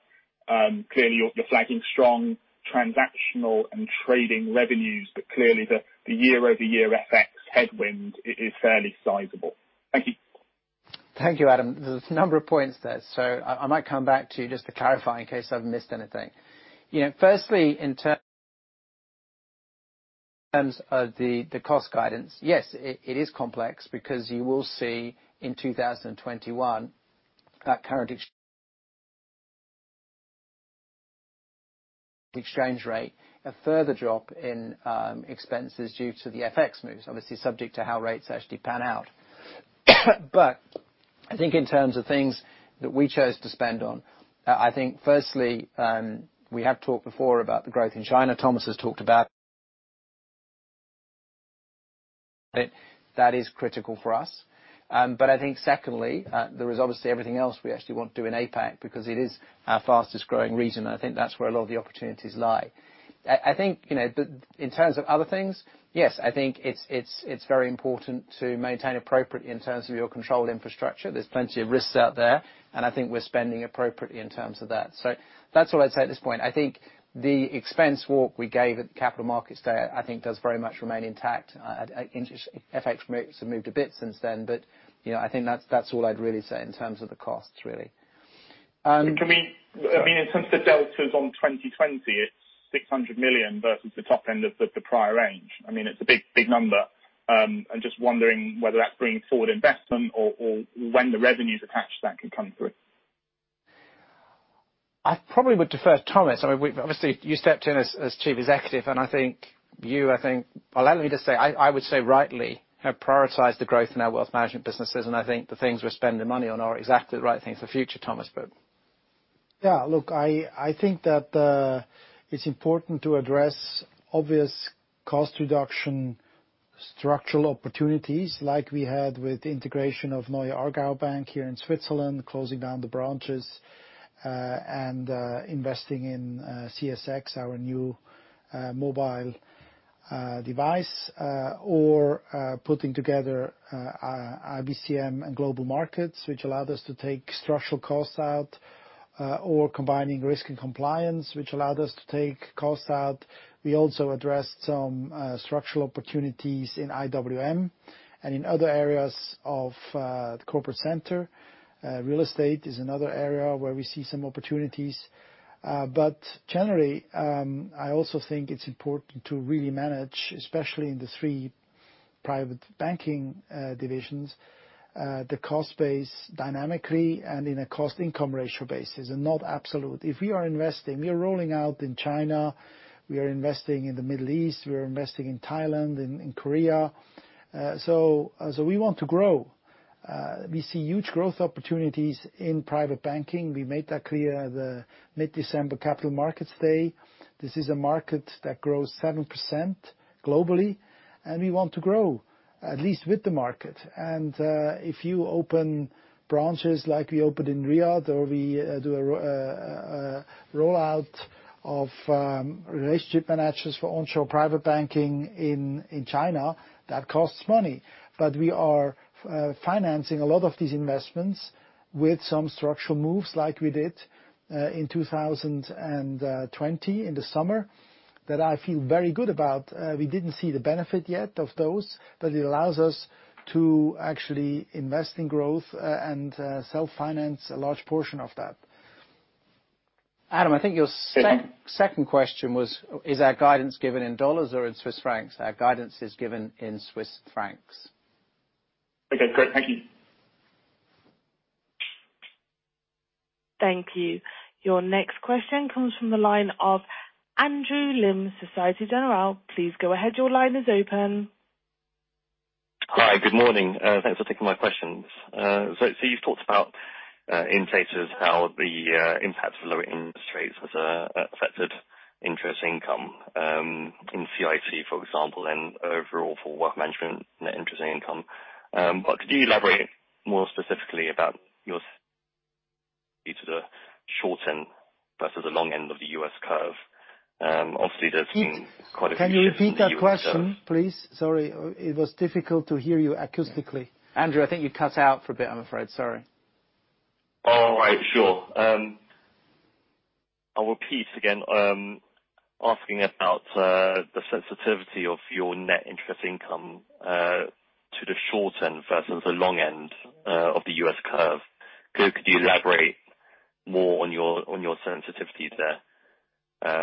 Clearly you're flagging strong transactional and trading revenues, but clearly the year-over-year FX headwind is fairly sizable. Thank you. Thank you, Adam. There's a number of points there. I might come back to you just to clarify in case I've missed anything. Firstly, in terms of the cost guidance, yes, it is complex because you will see in 2021 that current exchange rate a further drop in expenses due to the FX moves, obviously subject to how rates actually pan out. I think in terms of things that we chose to spend on, I think firstly, we have talked before about the growth in China. Thomas has talked about it. That is critical for us. I think secondly, there is obviously everything else we actually want to do in APAC because it is our fastest growing region, and I think that's where a lot of the opportunities lie. I think in terms of other things, yes, I think it's very important to maintain appropriately in terms of your control infrastructure. There's plenty of risks out there, and I think we're spending appropriately in terms of that. That's all I'd say at this point. I think the expense walk we gave at the Capital Markets Day, I think does very much remain intact. FX moves have moved a bit since then, but I think that's all I'd really say in terms of the costs, really. In terms of deltas on 2020, it's 600 million versus the top end of the prior range. It's a big number. I'm just wondering whether that's bringing forward investment or when the revenues attached to that can come through. I probably would defer to Thomas. You stepped in as Chief Executive. I think you, allow me to say, I would say rightly, have prioritized the growth in our Wealth Management businesses. I think the things we're spending money on are exactly the right things for the future, Thomas. Look, I think that it's important to address obvious cost reduction structural opportunities like we had with the integration of Neue Aargauer Bank here in Switzerland, closing down the branches, and investing in CSX, our new mobile device. Putting together IBCM and Global Markets, which allowed us to take structural costs out, or combining risk and compliance, which allowed us to take costs out. We also addressed some structural opportunities in IWM and in other areas of the corporate center. Real estate is another area where we see some opportunities. Generally, I also think it's important to really manage, especially in the three private banking divisions, the cost base dynamically and in a cost-income ratio basis and not absolute. If we are investing, we are rolling out in China, we are investing in the Middle East, we are investing in Thailand and in Korea. We want to grow. We see huge growth opportunities in private banking. We made that clear the mid-December Capital Markets Day. This is a market that grows 7% globally, and we want to grow at least with the market. If you open branches like we opened in Riyadh or we do a rollout of relationship managers for onshore private banking in China, that costs money. We are financing a lot of these investments with some structural moves like we did in 2020 in the summer. That I feel very good about. We didn't see the benefit yet of those, but it allows us to actually invest in growth and self-finance a large portion of that. Adam, I think your second question was, is our guidance given in dollars or in Swiss francs? Our guidance is given in Swiss francs. Okay, great. Thank you. Thank you. Your next question comes from the line of Andrew Lim, Société Générale. Please go ahead. Your line is open. Hi. Good morning. Thanks for taking my questions. You've talked about in pages how the impacts of the lower interest rates has affected interest income in CIC, for example, and overall for Wealth Management net interest income. Could you elaborate more specifically about your- to the short end versus the long end of the U.S. curve? Obviously, there's been quite a few. Can you repeat that question, please? Sorry, it was difficult to hear you acoustically. Andrew, I think you cut out for a bit, I'm afraid. Sorry. All right, sure. I'll repeat again, asking about the sensitivity of your net interest income to the short end versus the long end of the U.S. curve. Could you elaborate more on your sensitivities there,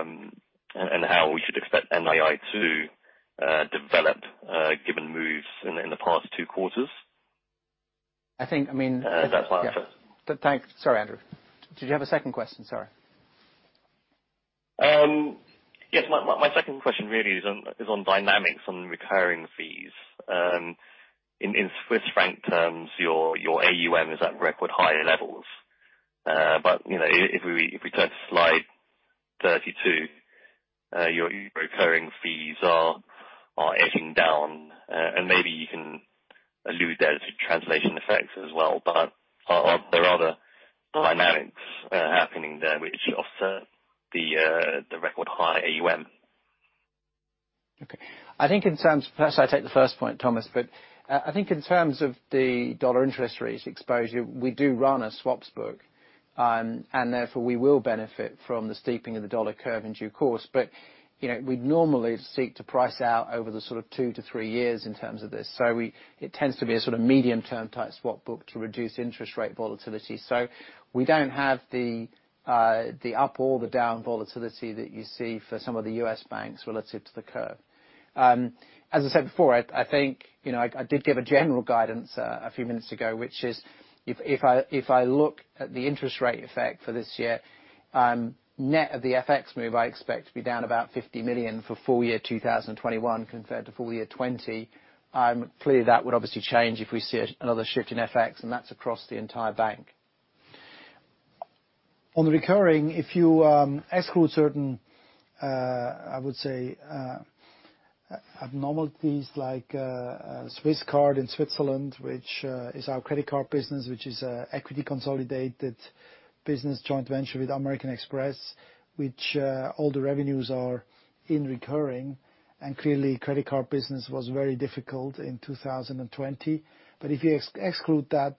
and how we should expect NII to develop given moves in the past two quarters? I think. If that's- Thanks. Sorry, Andrew. Did you have a second question? Sorry. Yes. My second question really is on dynamics on recurring fees. In Swiss franc terms, your AUM is at record high levels. If we turn to slide 32, your recurring fees are edging down. Maybe you can allude there to translation effects as well, but are there other dynamics happening there which offset the record high AUM? Okay. First, I take the first point, Thomas. I think in terms of the dollar interest rates exposure, we do run a swaps book. Therefore, we will benefit from the steeping of the dollar curve in due course. We'd normally seek to price out over the sort of two to three years in terms of this. It tends to be a sort of medium-term type swap book to reduce interest rate volatility. We don't have the up or the down volatility that you see for some of the U.S. banks relative to the curve. As I said before, I did give a general guidance a few minutes ago, which is if I look at the interest rate effect for this year, net of the FX move, I expect to be down about 50 million for full year 2021 compared to full year 2020. Clearly, that would obviously change if we see another shift in FX. That's across the entire bank. On the recurring, if you exclude certain, I would say, abnormalities like Swisscard in Switzerland, which is our credit card business. Which is a equity consolidated business joint venture with American Express, which all the revenues are in recurring. Clearly, credit card business was very difficult in 2020. If you exclude that,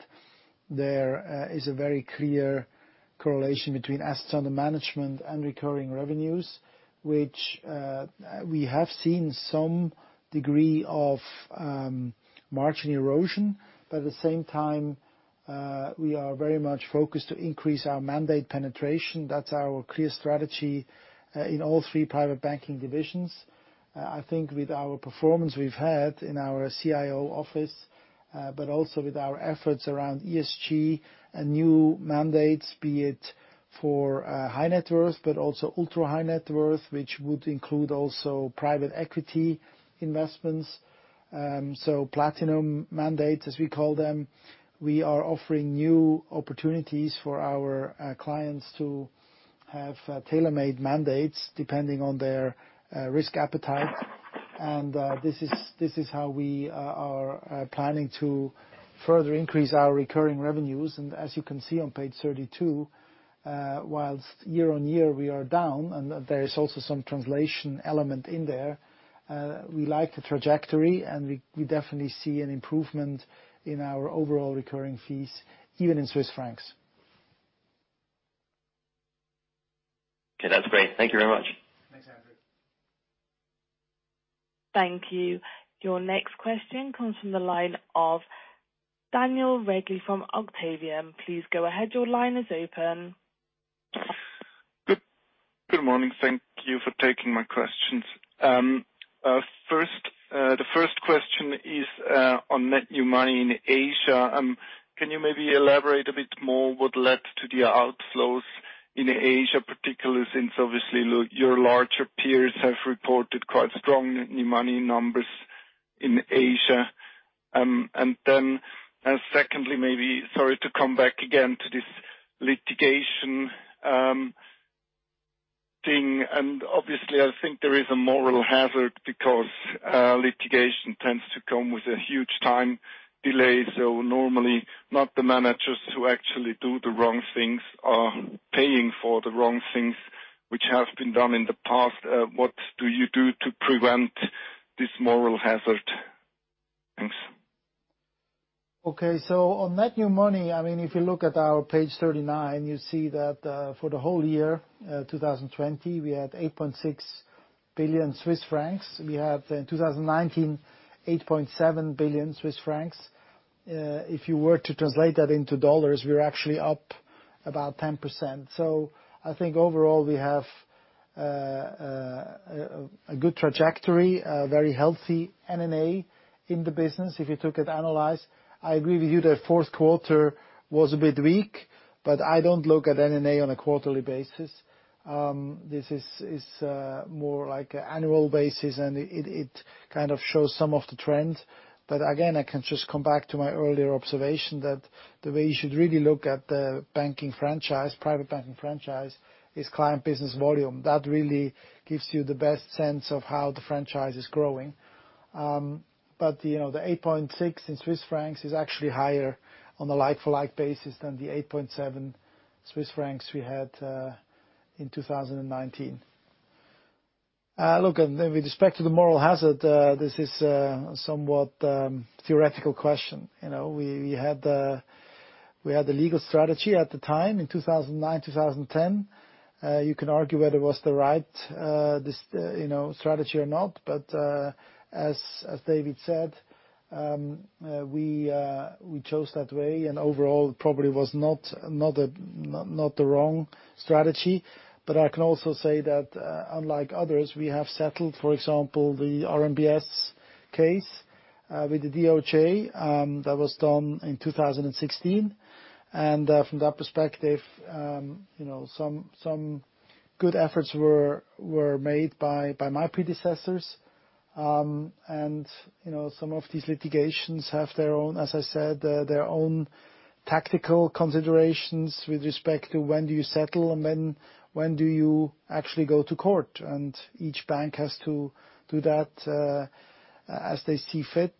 there is a very clear correlation between assets under management and recurring revenues, which we have seen some degree of margin erosion. At the same time, we are very much focused to increase our mandate penetration. That's our clear strategy in all three private banking divisions. I think with our performance we've had in our CIO office, but also with our efforts around ESG and new mandates, be it for high net worth, but also ultra-high net worth, which would include also private equity investments. Platinum mandates, as we call them. We are offering new opportunities for our clients to have tailor-made mandates depending on their risk appetite. This is how we are planning to further increase our recurring revenues. As you can see on page 32, whilst year-on-year we are down and there is also some translation element in there, we like the trajectory, and we definitely see an improvement in our overall recurring fees, even in Swiss francs. Okay. That's great. Thank you very much. Thanks, Andrew. Thank you. Your next question comes from the line of Daniel Regli from Octavian. Please go ahead. Your line is open. Good morning. Thank you for taking my questions. The first question is on net new money in Asia. Can you maybe elaborate a bit more what led to the outflows in Asia, particularly since obviously your larger peers have reported quite strong new money numbers in Asia? Secondly, maybe, sorry to come back again to this litigation thing, and obviously, I think there is a moral hazard because litigation tends to come with a huge time delay. Normally, not the managers who actually do the wrong things are paying for the wrong things which have been done in the past. What do you do to prevent this moral hazard? Thanks. Okay. On net new money, if you look at our page 39, you see that for the whole year 2020, we had 8.6 billion Swiss francs. We have in 2019, 8.7 billion Swiss francs. If you were to translate that into dollars, we're actually up about 10%. I think overall we have a good trajectory, a very healthy NNA in the business, if you took it analyzed. I agree with you that fourth quarter was a bit weak, but I don't look at NNA on a quarterly basis. This is more like annual basis. It kind of shows some of the trends. Again, I can just come back to my earlier observation that the way you should really look at the private banking franchise, is client business volume. That really gives you the best sense of how the franchise is growing. The 8.6 billion Swiss francs is actually higher on a like-for-like basis than the 8.7 billion Swiss francs we had in 2019. Look, with respect to the moral hazard, this is a somewhat theoretical question. We had the legal strategy at the time in 2009, 2010. You can argue whether it was the right strategy or not. As David said, we chose that way, and overall it probably was not the wrong strategy. I can also say that, unlike others, we have settled, for example, the RMBS case with the DOJ, that was done in 2016. From that perspective some good efforts were made by my predecessors. Some of these litigations have, as I said, their own tactical considerations with respect to when do you settle and when do you actually go to court. Each bank has to do that as they see fit,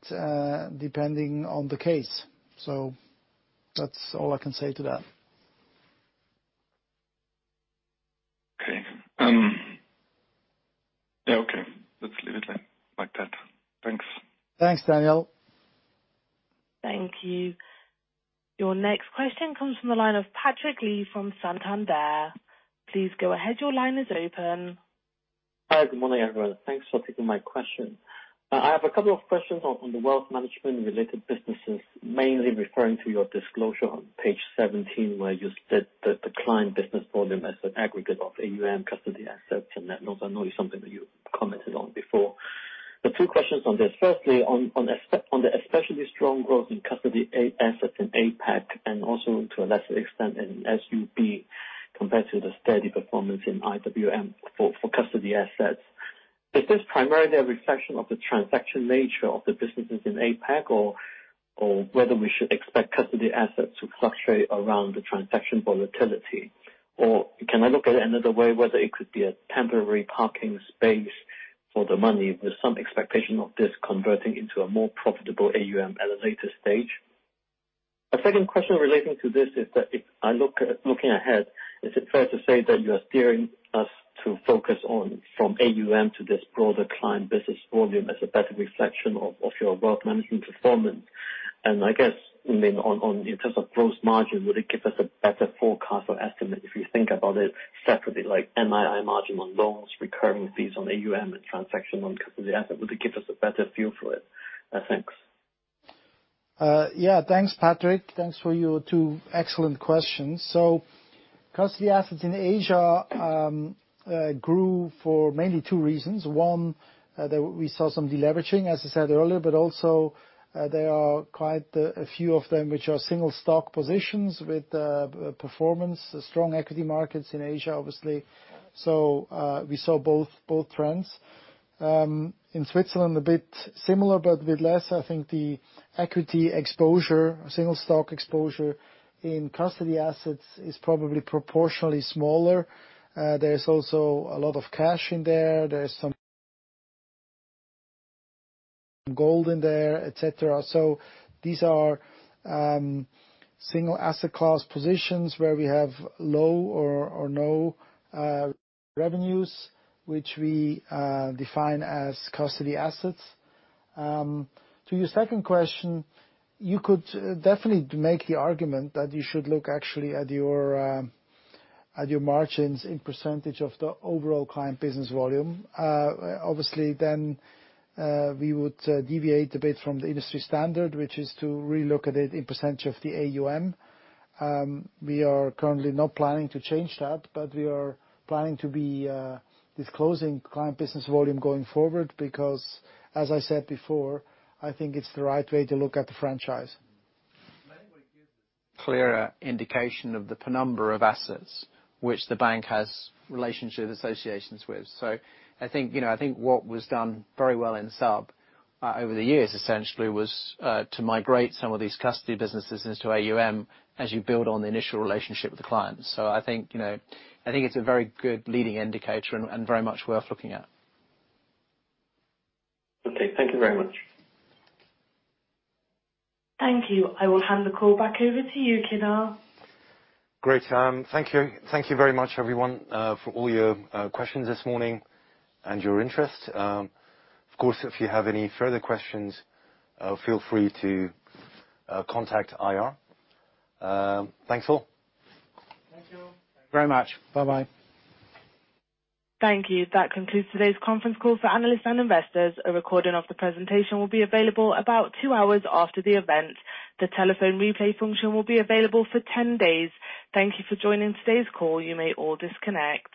depending on the case. That's all I can say to that. Okay. Let's leave it like that. Thanks. Thanks, Daniel. Thank you. Your next question comes from the line of Patrick Lee from Santander. Please go ahead, your line is open. Hi. Good morning, everyone. Thanks for taking my question. I have a couple of questions on the Wealth Management related businesses, mainly referring to your disclosure on page 17, where you said that the client business volume as an aggregate of AUM custody assets and net notes. I know it's something that you commented on before. The two questions on this. Firstly, on the especially strong growth in custody assets in APAC and also to a lesser extent in SUB compared to the steady performance in IWM for custody assets, is this primarily a reflection of the transaction nature of the businesses in APAC, or whether we should expect custody assets to fluctuate around the transaction volatility? Can I look at it another way, whether it could be a temporary parking space for the money with some expectation of this converting into a more profitable AUM at a later stage? A second question relating to this is that if looking ahead, is it fair to say that you are steering us to focus on from AUM to this broader client business volume as a better reflection of your Wealth Management performance? I guess, in terms of gross margin, would it give us a better forecast or estimate if you think about it separately, like NII margin on loans, recurring fees on AUM and transaction on custody asset? Would it give us a better view for it? Thanks. Yeah. Thanks, Patrick. Thanks for your two excellent questions. Custody assets in Asia grew for mainly two reasons. One, that we saw some deleveraging, as I said earlier, but also there are quite a few of them which are single stock positions with performance. Strong equity markets in Asia, obviously. We saw both trends. In Switzerland, a bit similar, but a bit less. I think the equity exposure, single stock exposure in custody assets is probably proportionally smaller. There's also a lot of cash in there's some gold in there, et cetera. These are single asset class positions where we have low or no revenues, which we define as custody assets. To your second question, you could definitely make the argument that you should look actually at your margins in percentage of the overall client business volume. We would deviate a bit from the industry standard, which is to re-look at it in percentage of the AUM. We are currently not planning to change that, but we are planning to be disclosing client business volume going forward because, as I said before, I think it's the right way to look at the franchise. Anybody gives a clearer indication of the penumbra of assets which the bank has relationship associations with. I think what was done very well in SUB over the years, essentially was to migrate some of these custody businesses into AUM as you build on the initial relationship with the client. I think it's a very good leading indicator and very much worth looking at. Okay. Thank you very much. Thank you. I will hand the call back over to you, Kinner. Great. Thank you very much, everyone, for all your questions this morning and your interest. Of course, if you have any further questions, feel free to contact IR. Thanks all. Thank you very much. Bye-bye. Thank you. That concludes today's conference call for analysts and investors. A recording of the presentation will be available about two hours after the event. The telephone replay function will be available for 10 days. Thank you for joining today's call. You may all disconnect.